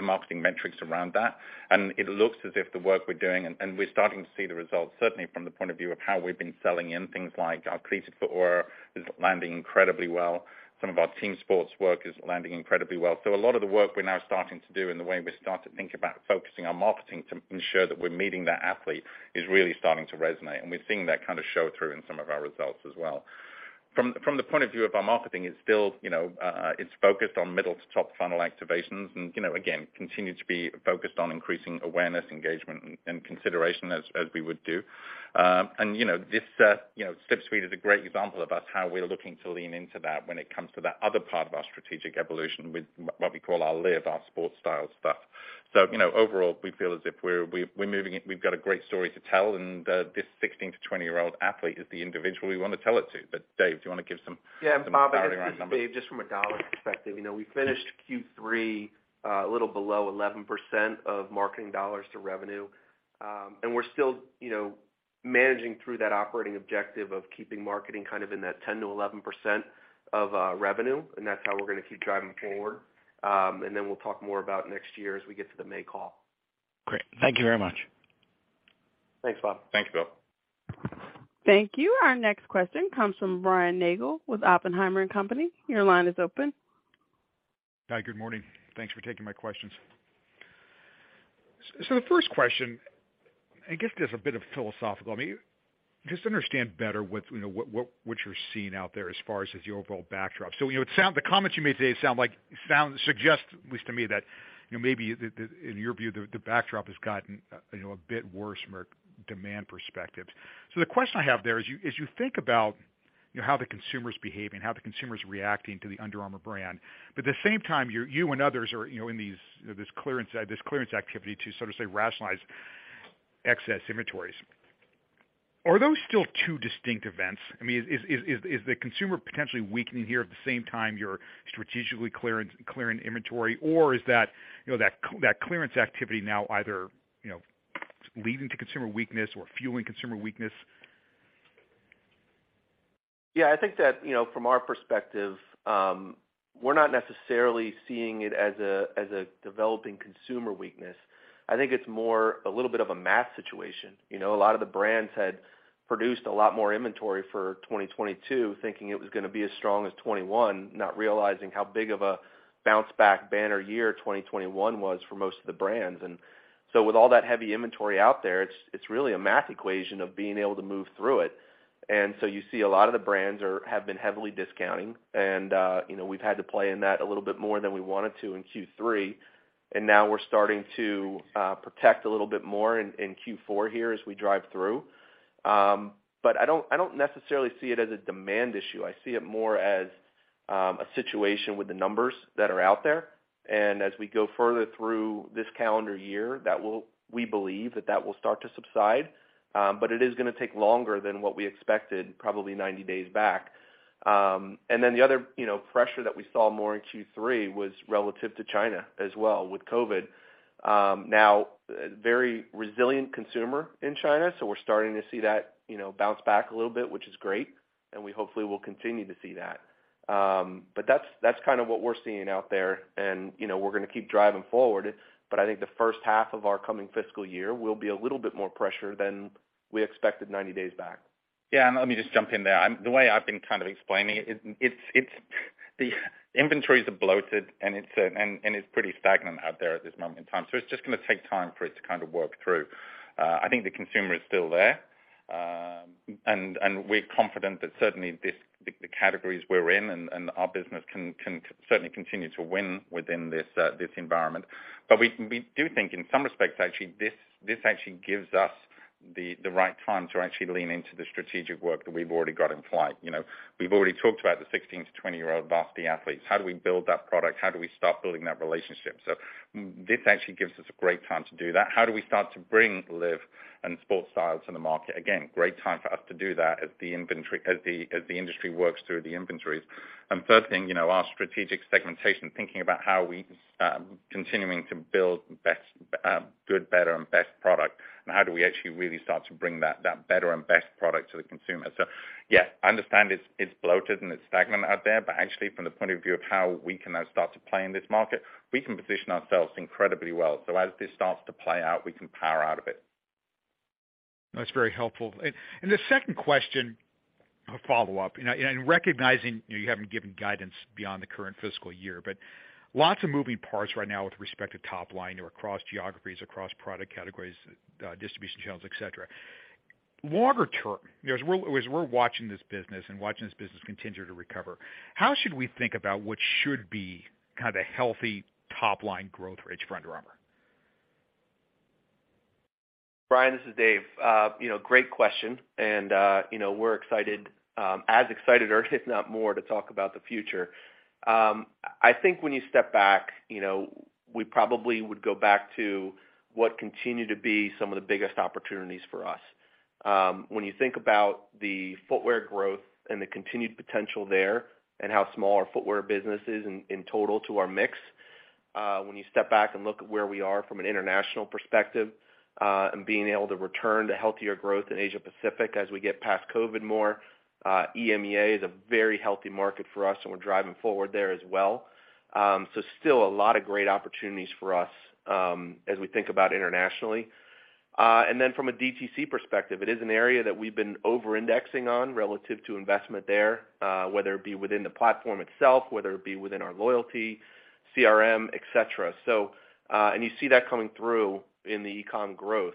marketing metrics around that, and it looks as if the work we're doing... We're starting to see the results certainly from the point of view of how we've been selling in things like our Cleat-Fit Aura is landing incredibly well. Some of our team sports work is landing incredibly well. A lot of the work we're now starting to do and the way we're starting to think about focusing our marketing to ensure that we're meeting that athlete is really starting to resonate, and we're seeing that kind of show through in some of our results as well. From the point of view of our marketing, it's still, you know, it's focused on middle to top funnel activations and, you know, again, continue to be focused on increasing awareness, engagement, and consideration as we would do. You know, this, you know, Slipstream is a great example of us, how we're looking to lean into that when it comes to that other part of our strategic evolution with what we call our LIV, our sportstyle stuff. You know, overall, we feel as if we're moving it. We've got a great story to tell. This 16-20-year-old athlete is the individual we wanna tell it to. Dave, do you wanna give. Yeah. Bob, I guess just from a dollar perspective, you know, we finished Q3, a little below 11% of marketing dollars to revenue. We're still, you know, managing through that operating objective of keeping marketing kind of in that 10%-11% of revenue, and that's how we're gonna keep driving forward. We'll talk more about next year as we get to the May call. Great. Thank you very much. Thanks, Bob. Thanks, Bob. Thank you. Our next question comes from Brian Nagel with Oppenheimer and Company. Your line is open. Hi, good morning. Thanks for taking my questions. The first question, I guess this is a bit philosophical. I mean, just understand better what, you know, what you're seeing out there as far as the overall backdrop. You know, it sound... the comments you made today sound like suggest, at least to me, that, you know, maybe the... in your view, the backdrop has gotten, you know, a bit worse from a demand perspective. The question I have there is you, as you think about, you know, how the consumer's behaving, how the consumer's reacting to the Under Armour brand, but at the same time, you and others are, you know, in these, this clearance, this clearance activity to so to say, rationalize excess inventories. Are those still two distinct events? I mean, is the consumer potentially weakening here at the same time you're strategically clearance, clearing inventory, or is that, you know, that clearance activity now either, you know, leading to consumer weakness or fueling consumer weakness? Yeah, I think that, you know, from our perspective, we're not necessarily seeing it as a, as a developing consumer weakness. I think it's more a little bit of a math situation. You know, a lot of the brands had produced a lot more inventory for 2022 thinking it was gonna be as strong as 2021, not realizing how big of a bounce back banner year 2021 was for most of the brands. With all that heavy inventory out there, it's really a math equation of being able to move through it. You see a lot of the brands have been heavily discounting, and, you know, we've had to play in that a little bit more than we wanted to in Q3. Now we're starting to protect a little bit more in Q4 here as we drive through. I don't, I don't necessarily see it as a demand issue. I see it more as a situation with the numbers that are out there. As we go further through this calendar year, we believe that that will start to subside. It is gonna take longer than what we expected, probably 90 days back. The other, you know, pressure that we saw more in Q3 was relative to China as well with COVID. Now very resilient consumer in China, so we're starting to see that, you know, bounce back a little bit, which is great, and we hopefully will continue to see that. That's, that's kind of what we're seeing out there. You know, we're gonna keep driving forward, but I think the first half of our coming fiscal year will be a little bit more pressure than we expected 90 days back. Yeah, let me just jump in there. The way I've been kind of explaining it's the inventories are bloated and it's pretty stagnant out there at this moment in time. It's just gonna take time for it to kind of work through. I think the consumer is still there. And we're confident that certainly the categories we're in and our business can certainly continue to win within this environment. We do think in some respects, actually, this actually gives us the right time to actually lean into the strategic work that we've already got in play. You know, we've already talked about the 16 to 20-year-old Vasque athletes. How do we build that product? How do we start building that relationship? This actually gives us a great time to do that. How do we start to bring LIV and sportstyle to the market? Again, great time for us to do that as the industry works through the inventories. Third thing, you know, our strategic segmentation, thinking about how are we continuing to build best, good, better, and best product, and how do we actually really start to bring that better and best product to the consumer. Yes, I understand it's bloated and it's stagnant out there, but actually from the point of view of how we can now start to play in this market, we can position ourselves incredibly well. As this starts to play out, we can power out of it. That's very helpful. The second question, a follow-up, you know, and recognizing you haven't given guidance beyond the current fiscal year, but lots of moving parts right now with respect to top line or across geographies, across product categories, distribution channels, et cetera. Longer term, you know, as we're watching this business and watching this business continue to recover, how should we think about what should be kind of a healthy top-line growth rate for Under Armour? Brian, this is Dave. You know, great question, you know, we're excited as excited or if not more to talk about the future. I think when you step back, you know, we probably would go back to what continue to be some of the biggest opportunities for us. When you think about the footwear growth and the continued potential there and how small our footwear business is in total to our mix, when you step back and look at where we are from an international perspective, being able to return to healthier growth in Asia Pacific as we get past COVID more, EMEA is a very healthy market for us, and we're driving forward there as well. Still a lot of great opportunities for us as we think about internationally. From a DTC perspective, it is an area that we've been over-indexing on relative to investment there, whether it be within the platform itself, whether it be within our loyalty, CRM, et cetera. You see that coming through in the e-com growth.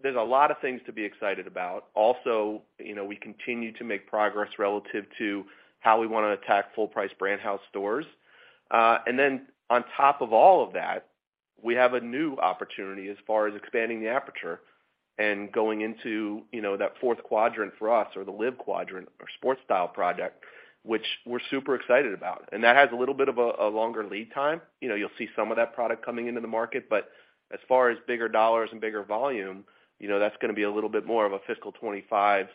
There's a lot of things to be excited about. Also, you know, we continue to make progress relative to how we wanna attack full price brand house stores. On top of all of that, we have a new opportunity as far as expanding the aperture and going into, you know, that fourth quadrant for us or the LIV quadrant or sportstyle product, which we're super excited about. That has a little bit of a longer lead time. You know, you'll see some of that product coming into the market, but as far as bigger dollars and bigger volume, you know, that's gonna be a little bit more of a fiscal 2025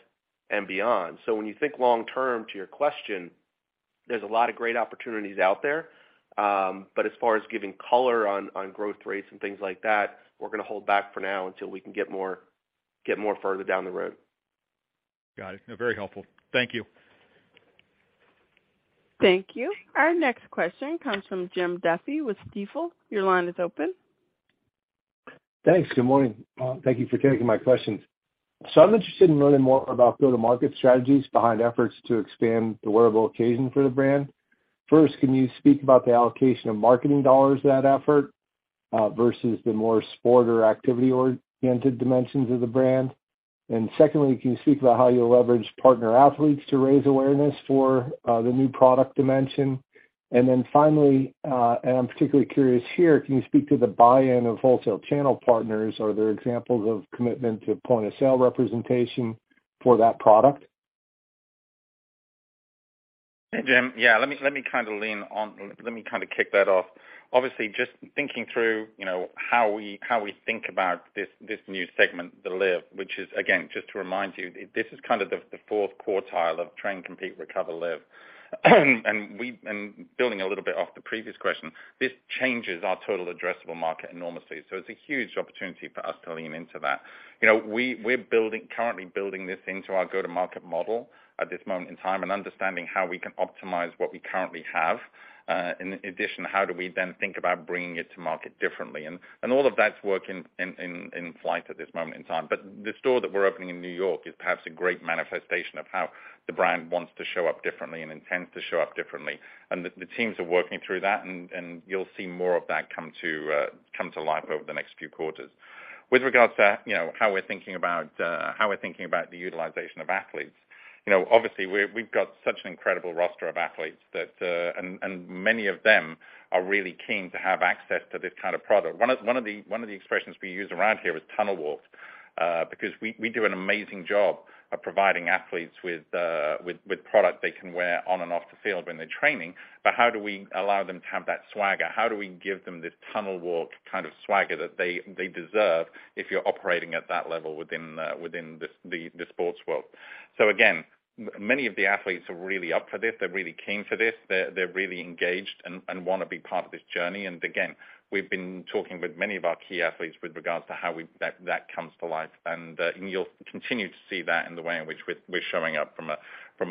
and beyond. When you think long term to your question, there's a lot of great opportunities out there, but as far as giving color on growth rates and things like that, we're gonna hold back for now until we can get more further down the road. Got it. Very helpful. Thank you. Thank you. Our next question comes from Jim Duffy with Stifel. Your line is open. Thanks. Good morning. Thank you for taking my questions. I'm interested in learning more about go-to-market strategies behind efforts to expand the wearable occasion for the brand. First, can you speak about the allocation of marketing dollars to that effort versus the more sport or activity-oriented dimensions of the brand? Secondly, can you speak about how you'll leverage partner athletes to raise awareness for the new product dimension? Finally, and I'm particularly curious here, can you speak to the buy-in of wholesale channel partners? Are there examples of commitment to point-of-sale representation for that product? Hey, Jim. Yeah, let me kind of kick that off. Obviously, just thinking through, you know, how we, how we think about this new segment, the LIV, which is again, just to remind you, this is kind of the fourth quartile of train, compete, recover, LIV. Building a little bit off the previous question, this changes our total addressable market enormously. It's a huge opportunity for us to lean into that. You know, we're currently building this into our go-to-market model at this moment in time and understanding how we can optimize what we currently have. In addition, how do we then think about bringing it to market differently? All of that's working in flight at this moment in time. The store that we're opening in New York is perhaps a great manifestation of how the brand wants to show up differently and intends to show up differently. The teams are working through that and you'll see more of that come to come to life over the next few quarters. With regards to, you know, how we're thinking about how we're thinking about the utilization of athletes, you know, obviously we've got such an incredible roster of athletes that and many of them are really keen to have access to this kind of product. One of the expressions we use around here is tunnel walk, because we do an amazing job of providing athletes with product they can wear on and off the field when they're training. How do we allow them to have that swagger? How do we give them this tunnel walk kind of swagger that they deserve if you're operating at that level within the sports world? Again, many of the athletes are really up for this. They're really keen for this. They're really engaged and wanna be part of this journey. Again, we've been talking with many of our key athletes with regards to how that comes to life. You'll continue to see that in the way in which we're showing up from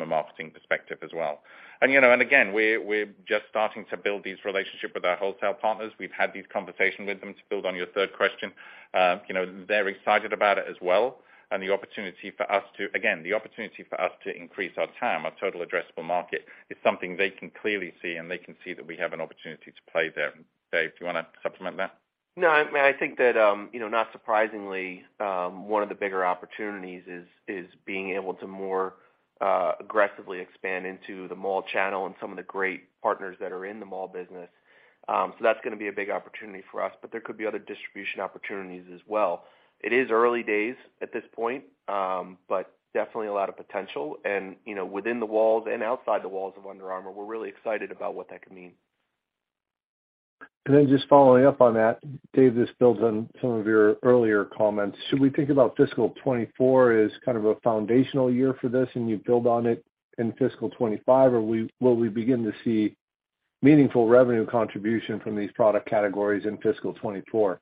a marketing perspective as well. You know, again, we're just starting to build these relationships with our wholesale partners. We've had these conversations with them to build on your third question. You know, they're excited about it as well. Again, the opportunity for us to increase our TAM, our total addressable market, is something they can clearly see, and they can see that we have an opportunity to play there. Dave, do you wanna supplement that? No, I mean, I think that, you know, not surprisingly, one of the bigger opportunities is being able to more aggressively expand into the mall channel and some of the great partners that are in the mall business. That's gonna be a big opportunity for us, but there could be other distribution opportunities as well. It is early days at this point, but definitely a lot of potential. You know, within the walls and outside the walls of Under Armour, we're really excited about what that could mean. Just following up on that, Dave, this builds on some of your earlier comments. Should we think about fiscal 2024 as kind of a foundational year for this and you build on it in fiscal 2025? Will we begin to see meaningful revenue contribution from these product categories in fiscal 2024?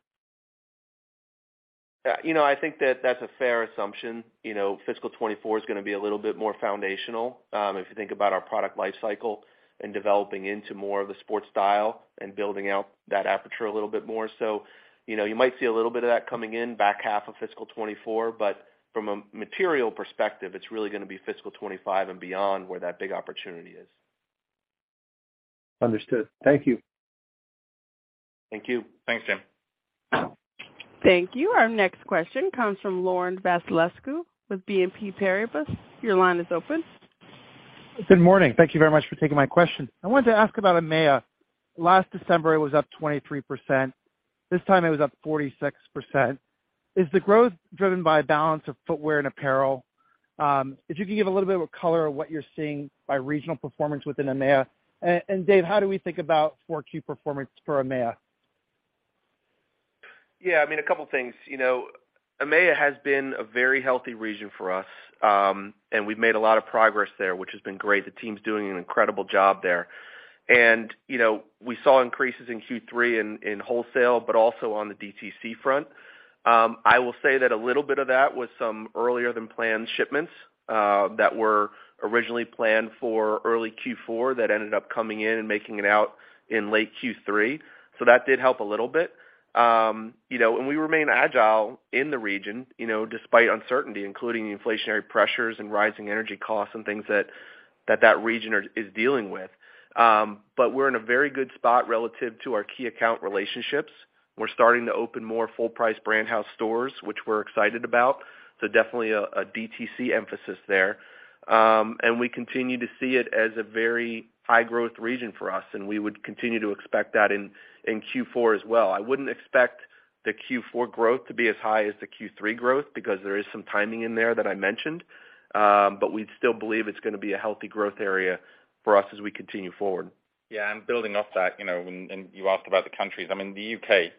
You know, I think that that's a fair assumption. You know, fiscal 2024 is gonna be a little bit more foundational, if you think about our product life cycle and developing into more of the sports style and building out that aperture a little bit more. You know, you might see a little bit of that coming in back half of fiscal 2024, from a material perspective, it's really gonna be fiscal 2025 and beyond where that big opportunity is. Understood. Thank you. Thank you. Thanks, Jim. Thank you. Our next question comes from Laurent Vasilescu with BNP Paribas. Your line is open. Good morning. Thank you very much for taking my question. I wanted to ask about EMEA. Last December, it was up 23%. This time it was up 46%. Is the growth driven by a balance of footwear and apparel? If you could give a little bit of a color of what you're seeing by regional performance within EMEA. Dave, how do we think about 4Q performance for EMEA? Yeah, I mean, a couple things. You know, EMEA has been a very healthy region for us, and we've made a lot of progress there, which has been great. The team's doing an incredible job there. You know, we saw increases in Q3 in wholesale, but also on the DTC front. I will say that a little bit of that was some earlier than planned shipments that were originally planned for early Q4 that ended up coming in and making it out in late Q3. That did help a little bit. You know, we remain agile in the region, you know, despite uncertainty, including inflationary pressures and rising energy costs and things that that region is dealing with. We're in a very good spot relative to our key account relationships. We're starting to open more full price Brand House stores, which we're excited about. Definitely a DTC emphasis there. We continue to see it as a very high growth region for us, and we would continue to expect that in Q4 as well. I wouldn't expect the Q4 growth to be as high as the Q3 growth because there is some timing in there that I mentioned. We still believe it's gonna be a healthy growth area for us as we continue forward. Yeah, building off that, you know, when, and you asked about the countries. I mean, the U.K.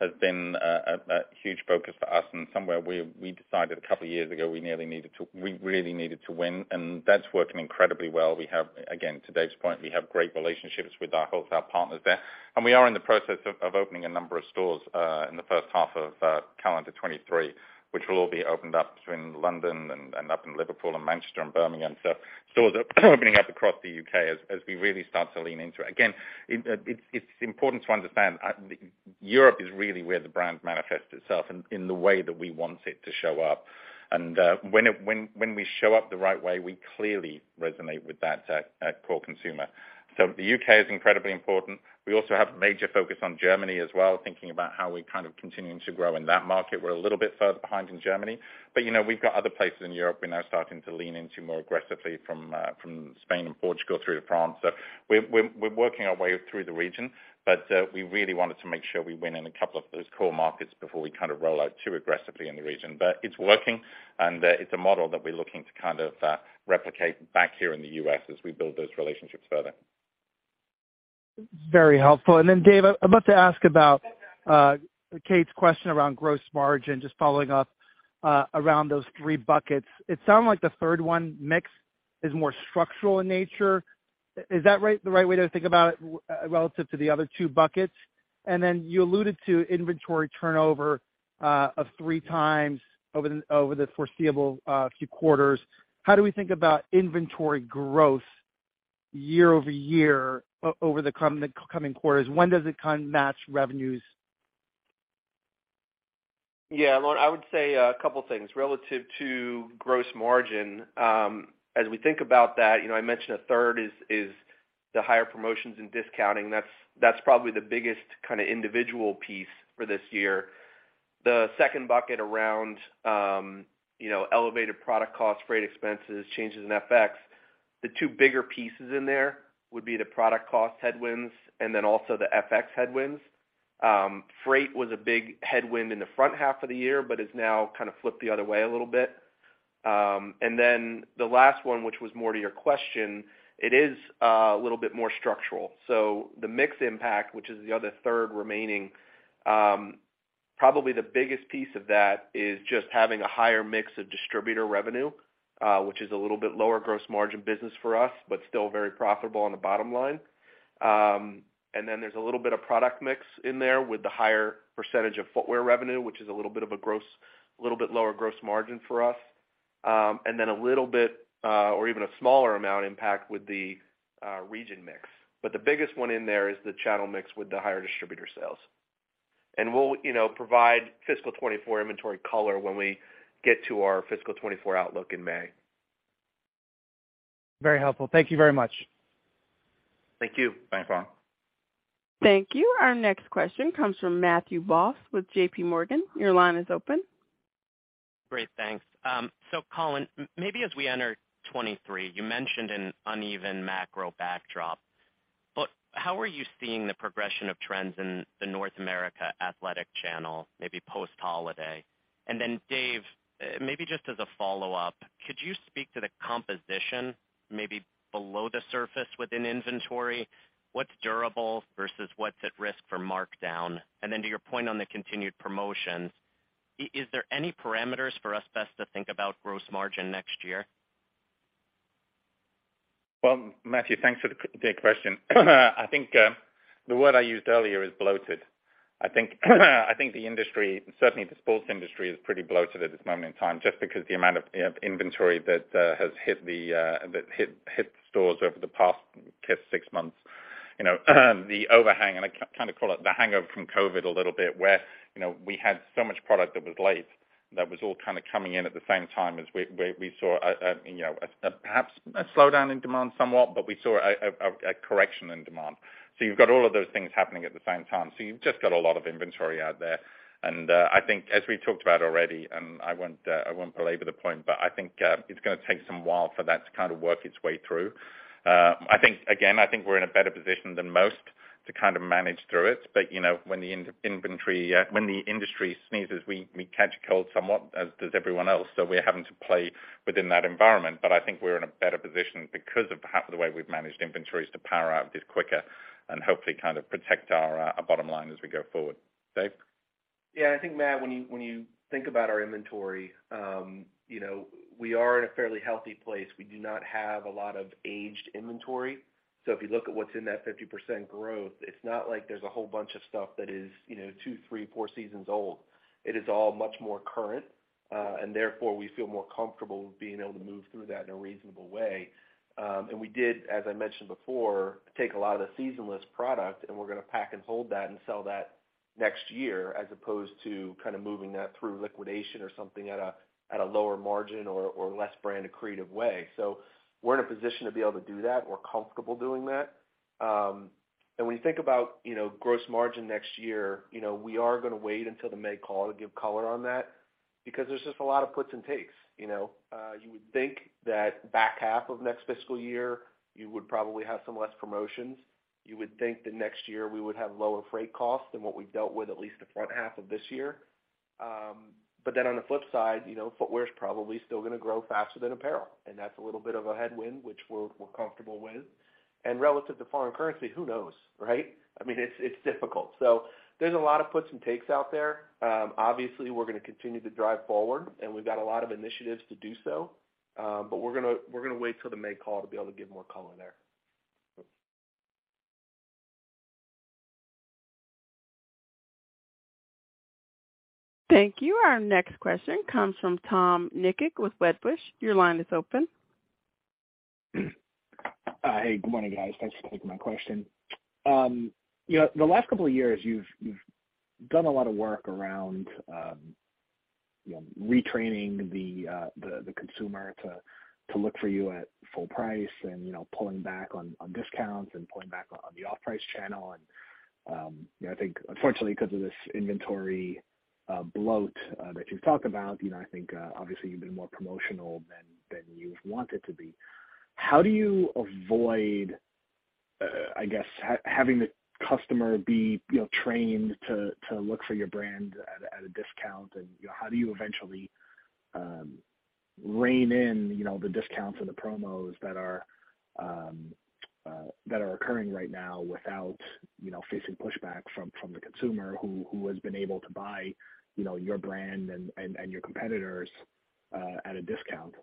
has been a huge focus for us and somewhere we decided a couple of years ago we really needed to win, and that's working incredibly well. We have, again, to Daves point, we have great relationships with our wholesale partners there. We are in the process of opening a number of stores in the first half of calendar 2023, which will all be opened up between London and up in Liverpool and Manchester and Birmingham. Stores are opening up across the U.K. as we really start to lean into it. Again, it's important to understand, Europe is really where the brand manifests itself in the way that we want it to show up. When we show up the right way, we clearly resonate with at core consumer. The U.K. is incredibly important. We also have a major focus on Germany as well, thinking about how we're kind of continuing to grow in that market. We're a little bit further behind in Germany, you know, we've got other places in Europe we're now starting to lean into more aggressively from Spain and Portugal through to France. We're working our way through the region, we really wanted to make sure we win in a couple of those core markets before we kind of roll out too aggressively in the region. It's working, it's a model that we're looking to kind of replicate back here in the U.S. as we build those relationships further. Very helpful. Dave, I'd love to ask about Katy Fitzsimons' question around gross margin, just following up around those three buckets. It sounded like the third one, mix, is more structural in nature. Is that the right way to think about it relative to the other two buckets? You alluded to inventory turnover of three times over the foreseeable few quarters. How do we think about inventory growth year-over-year over the coming quarters? When does it kind of match revenues? Yeah. Laurent, I would say a couple things. Relative to gross margin, as we think about that, you know, I mentioned a third is The higher promotions and discounting, that's probably the biggest kind of individual piece for this year. The second bucket around, you know, elevated product costs, freight expenses, changes in FX. The two bigger pieces in there would be the product cost headwinds and then also the FX headwinds. Freight was a big headwind in the front half of the year, it's now kind of flipped the other way a little bit. The last one, which was more to your question, it is a little bit more structural. The mix impact, which is the other third remaining, probably the biggest piece of that is just having a higher mix of distributor revenue, which is a little bit lower gross margin business for us, but still very profitable on the bottom line. There's a little bit of product mix in there with the higher percentage of footwear revenue, which is a little bit of a little bit lower gross margin for us. A little bit, or even a smaller amount impact with the region mix. The biggest one in there is the channel mix with the higher distributor sales. We'll, you know, provide fiscal 2024 inventory color when we get to our fiscal 2024 outlook in May. Very helpful. Thank you very much. Thank you. Thanks, Ron. Thank you. Our next question comes from Matthew Boss with JPMorgan. Your line is open. Great, thanks. Colin, maybe as we enter 2023, you mentioned an uneven macro backdrop. How are you seeing the progression of trends in the North America athletic channel, maybe post-holiday? Dave, maybe just as a follow-up, could you speak to the composition maybe below the surface within inventory? What's durable versus what's at risk for markdown? To your point on the continued promotions, is there any parameters for us best to think about gross margin next year? Well, Matthew, thanks for the great question. I think the word I used earlier is bloated. I think the industry, certainly the sports industry, is pretty bloated at this moment in time, just because the amount of inventory that has hit the stores over the past six months. You know, the overhang, and I kind of call it the hangover from COVID a little bit, where, you know, we had so much product that was late, that was all kind of coming in at the same time as we saw a, you know, perhaps a slowdown in demand somewhat, but we saw a correction in demand. You've got all of those things happening at the same time. You've just got a lot of inventory out there. I think as we talked about already, and I won't, I won't belabor the point, but I think it's gonna take some while for that to kind of work its way through. I think, again, I think we're in a better position than most to kind of manage through it. You know, when the industry sneezes, we catch a cold somewhat, as does everyone else. We're having to play within that environment. I think we're in a better position because of half of the way we've managed inventories to power out of this quicker and hopefully kind of protect our bottom line as we go forward. Dave? Yeah, I think, Matt, when you think about our inventory, you know, we are in a fairly healthy place. We do not have a lot of aged inventory. If you look at what's in that 50% growth, it's not like there's a whole bunch of stuff that is, you know, two, three, four seasons old. It is all much more current, and therefore we feel more comfortable with being able to move through that in a reasonable way. We did, as I mentioned before, take a lot of the seasonless product, and we're gonna pack and hold that and sell that next year as opposed to kind of moving that through liquidation or something at a lower margin or less brand creative way. We're in a position to be able to do that. We're comfortable doing that. When you think about, you know, gross margin next year, you know, we are gonna wait until the May call to give color on that because there's just a lot of puts and takes, you know. You would think that back half of next fiscal year, you would probably have some less promotions. You would think the next year we would have lower freight costs than what we've dealt with at least the front half of this year. On the flip side, you know, footwear is probably still gonna grow faster than apparel, and that's a little bit of a headwind, which we're comfortable with. Relative to foreign currency, who knows, right? I mean, it's difficult. There's a lot of puts and takes out there. Obviously, we're gonna continue to drive forward, and we've got a lot of initiatives to do so. We're gonna wait till the May call to be able to give more color there. Thank you. Our next question comes from Tom Nikic with Wedbush. Your line is open. Hey, good morning, guys. Thanks for taking my question. You know, the last couple of years, you've done a lot of work around, you know, retraining the consumer to look for you at full price and, you know, pulling back on discounts and pulling back on the off-price channel. You know, I think unfortunately, because of this inventory bloat that you've talked about, you know, I think, obviously you've been more promotional than you've wanted to be. How do you avoid, I guess, having the customer be, you know, trained to look for your brand at a discount? You know, how do you eventually rein in, you know, the discounts or the promos that are occurring right now without, you know, facing pushback from the consumer who has been able to buy, you know, your brand and your competitors at a discount?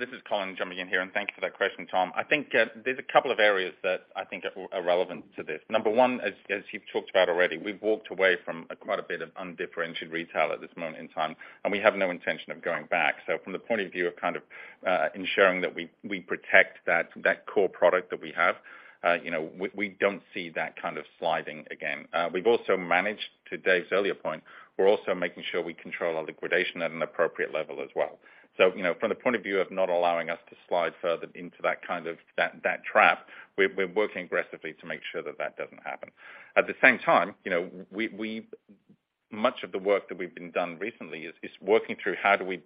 This is Colin jumping in here, and thank you for that question, Tom. I think there's a couple of areas that I think are relevant to this. Number one, as you've talked about already, we've walked away from a quite a bit of undifferentiated retail at this moment in time, and we have no intention of going back. From the point of view of kind of ensuring that we protect that core product that we have, you know, we don't see that kind of sliding again. We've also managed, to Dave's earlier point, we're also making sure we control our liquidation at an appropriate level as well. You know, from the point of view of not allowing us to slide further into that kind of that trap. Much of the work that we've been done recently is working through how do we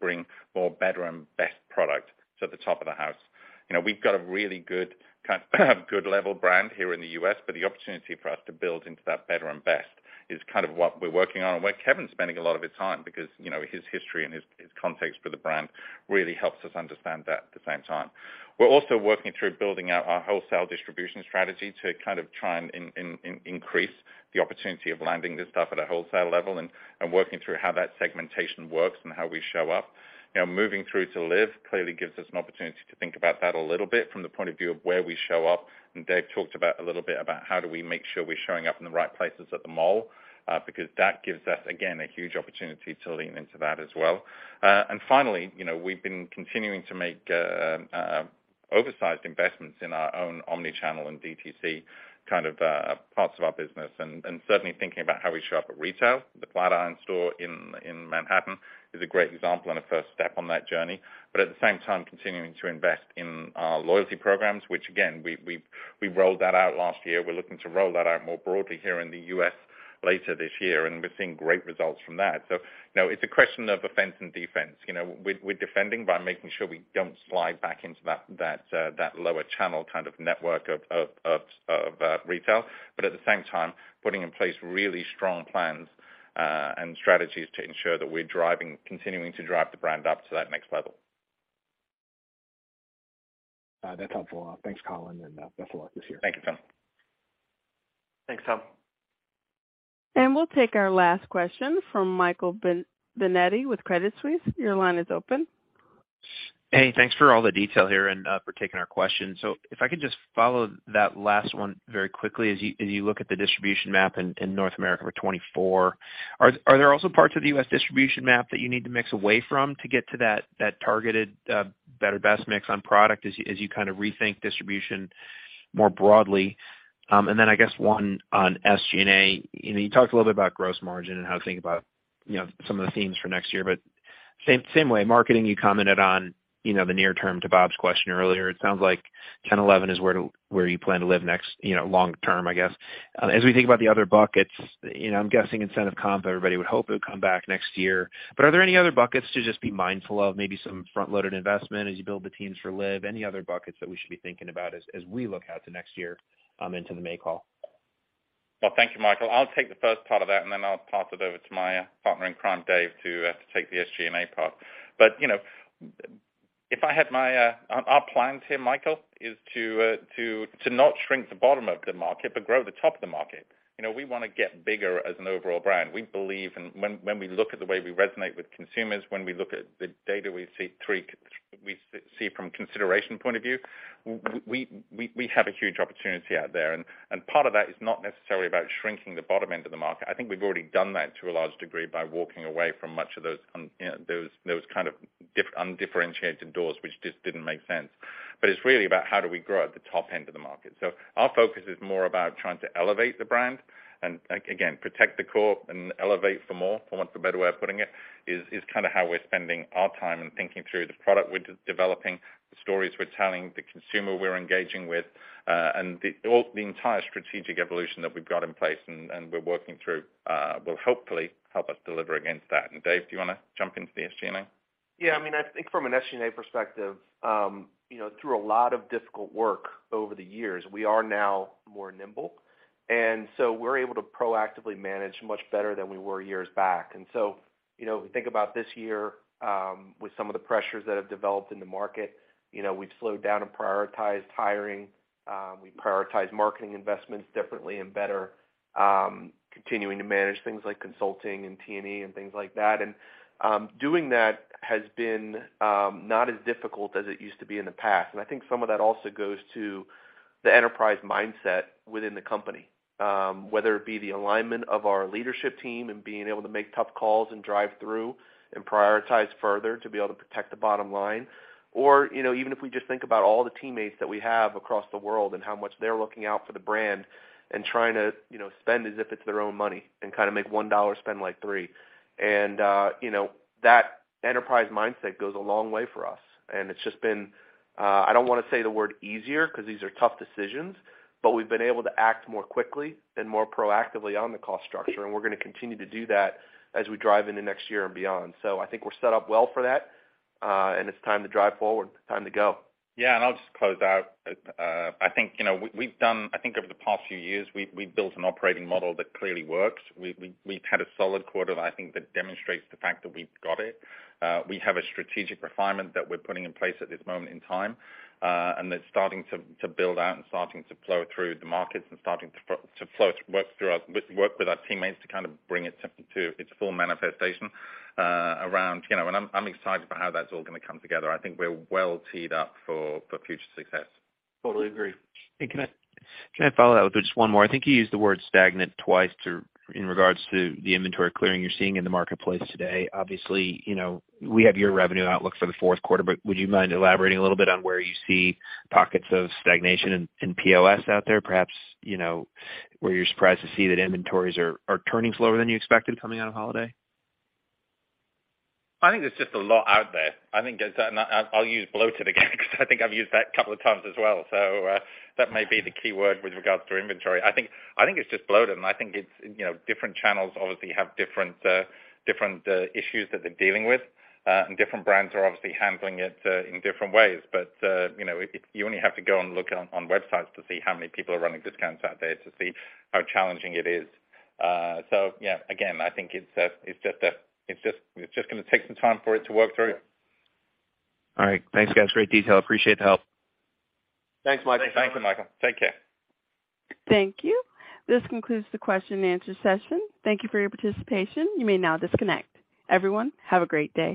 bring more better and best product to the top of the house. You know, we've got a really good level brand here in the U.S., but the opportunity for us to build into that better and best is kind of what we're working on and where Kevin's spending a lot of his time because, you know, his history and his context for the brand really helps us understand that at the same time. We're also working through building out our wholesale distribution strategy to kind of try and increase the opportunity of landing this stuff at a wholesale level and working through how that segmentation works and how we show up. You know, moving through to LIV clearly gives us an opportunity to think about that a little bit from the point of view of where we show up. Dave talked about a little bit about how do we make sure we're showing up in the right places at the mall, because that gives us, again, a huge opportunity to lean into that as well. Finally, you know, we've been continuing to make oversized investments in our own omni-channel and DTC kind of parts of our business, and certainly thinking about how we show up at retail. The Flatiron store in Manhattan is a great example and a first step on that journey. At the same time continuing to invest in our loyalty programs, which again, we rolled that out last year. We're looking to roll that out more broadly here in the U.S. later this year, and we're seeing great results from that. You know, it's a question of offense and defense. You know, we're defending by making sure we don't slide back into that lower channel kind of network of retail, but at the same time, putting in place really strong plans and strategies to ensure that we're driving, continuing to drive the brand up to that next level. That's helpful. Thanks, Colin, and best of luck this year. Thank you, Phil. Thanks, Tom. We'll take our last question from Michael Binetti with Credit Suisse. Your line is open. Thanks for all the detail here and for taking our question. If I could just follow that last one very quickly. As you look at the distribution map in North America for 2024, are there also parts of the U.S. distribution map that you need to mix away from to get to that targeted better best mix on product as you kind of rethink distribution more broadly? I guess one on SG&A. You know, you talked a little bit about gross margin and how to think about, you know, some of the themes for next year, but same way. Marketing, you commented on, you know, the near term to Bob's question earlier. It sounds like 10%-11% is where you plan to live next, you know, long term, I guess. As we think about the other buckets, you know, I'm guessing incentive comp, everybody would hope it would come back next year. Are there any other buckets to just be mindful of, maybe some front-loaded investment as you build the teams for LIV? Any other buckets that we should be thinking about as we look out to next year, into the May call? Well, thank you, Michael. I'll take the first part of that. I'll pass it over to my partner in crime, Dave Bergman, to take the SG&A part. You know, if I had my. Our plan here, Michael, is to not shrink the bottom of the market, but grow the top of the market. You know, we wanna get bigger as an overall brand. We believe when we look at the way we resonate with consumers, when we look at the data we see from consideration point of view, we have a huge opportunity out there. Part of that is not necessarily about shrinking the bottom end of the market. I think we've already done that to a large degree by walking away from much of those, you know, those undifferentiated doors, which just didn't make sense. It's really about how do we grow at the top end of the market. Our focus is more about trying to elevate the brand and again, protect the core and elevate for more, for want of a better way of putting it, is kinda how we're spending our time and thinking through the product we're developing, the stories we're telling, the consumer we're engaging with, and the entire strategic evolution that we've got in place and we're working through, will hopefully help us deliver against that. Dave, do you wanna jump into the SG&A? Yeah. I mean, I think from an SG&A perspective, you know, through a lot of difficult work over the years, we are now more nimble, we're able to proactively manage much better than we were years back. You know, we think about this year, with some of the pressures that have developed in the market, you know, we've slowed down and prioritized hiring, we prioritize marketing investments differently and better, continuing to manage things like consulting and T&E and things like that. Doing that has been not as difficult as it used to be in the past. I think some of that also goes to the enterprise mindset within the company, whether it be the alignment of our leadership team and being able to make tough calls and drive through and prioritize further to be able to protect the bottom line or, you know, even if we just think about all the teammates that we have across the world and how much they're looking out for the brand and trying to, you know, spend as if it's their own money and kinda make 1 dollar spend like 3. You know, that enterprise mindset goes a long way for us. It's just been, I don't wanna say the word easier 'cause these are tough decisions, but we've been able to act more quickly and more proactively on the cost structure, and we're gonna continue to do that as we drive into next year and beyond. I think we're set up well for that, and it's time to drive forward. Time to go. Yeah. I'll just close out. I think, you know, we've done... I think over the past few years, we've built an operating model that clearly works. We've had a solid quarter that I think that demonstrates the fact that we've got it. We have a strategic refinement that we're putting in place at this moment in time, and it's starting to build out and starting to flow through the markets and starting to flow, work with our teammates to kind of bring it to its full manifestation, around... You know, I'm excited about how that's all gonna come together. I think we're well teed up for future success. Totally agree. Hey, can I follow that with just one more? I think you used the word stagnant twice in regards to the inventory clearing you're seeing in the marketplace today. Obviously, you know, we have your revenue outlook for the fourth quarter, but would you mind elaborating a little bit on where you see pockets of stagnation in POS out there, perhaps, you know, where you're surprised to see that inventories are turning slower than you expected coming out of holiday? I think there's just a lot out there. I'll use bloated again 'cause I think I've used that a couple of times as well. That may be the key word with regards to inventory. I think it's just bloated, and I think it's, you know, different channels obviously have different issues that they're dealing with, and different brands are obviously handling it in different ways. You know, it, you only have to go and look on websites to see how many people are running discounts out there to see how challenging it is. Yeah, again, I think it's just gonna take some time for it to work through. All right. Thanks, guys. Great detail. Appreciate the help. Thanks, Michael. Thanks, Michael. Take care. Thank you. This concludes the question and answer session. Thank you for your participation. You may now disconnect. Everyone, have a great day.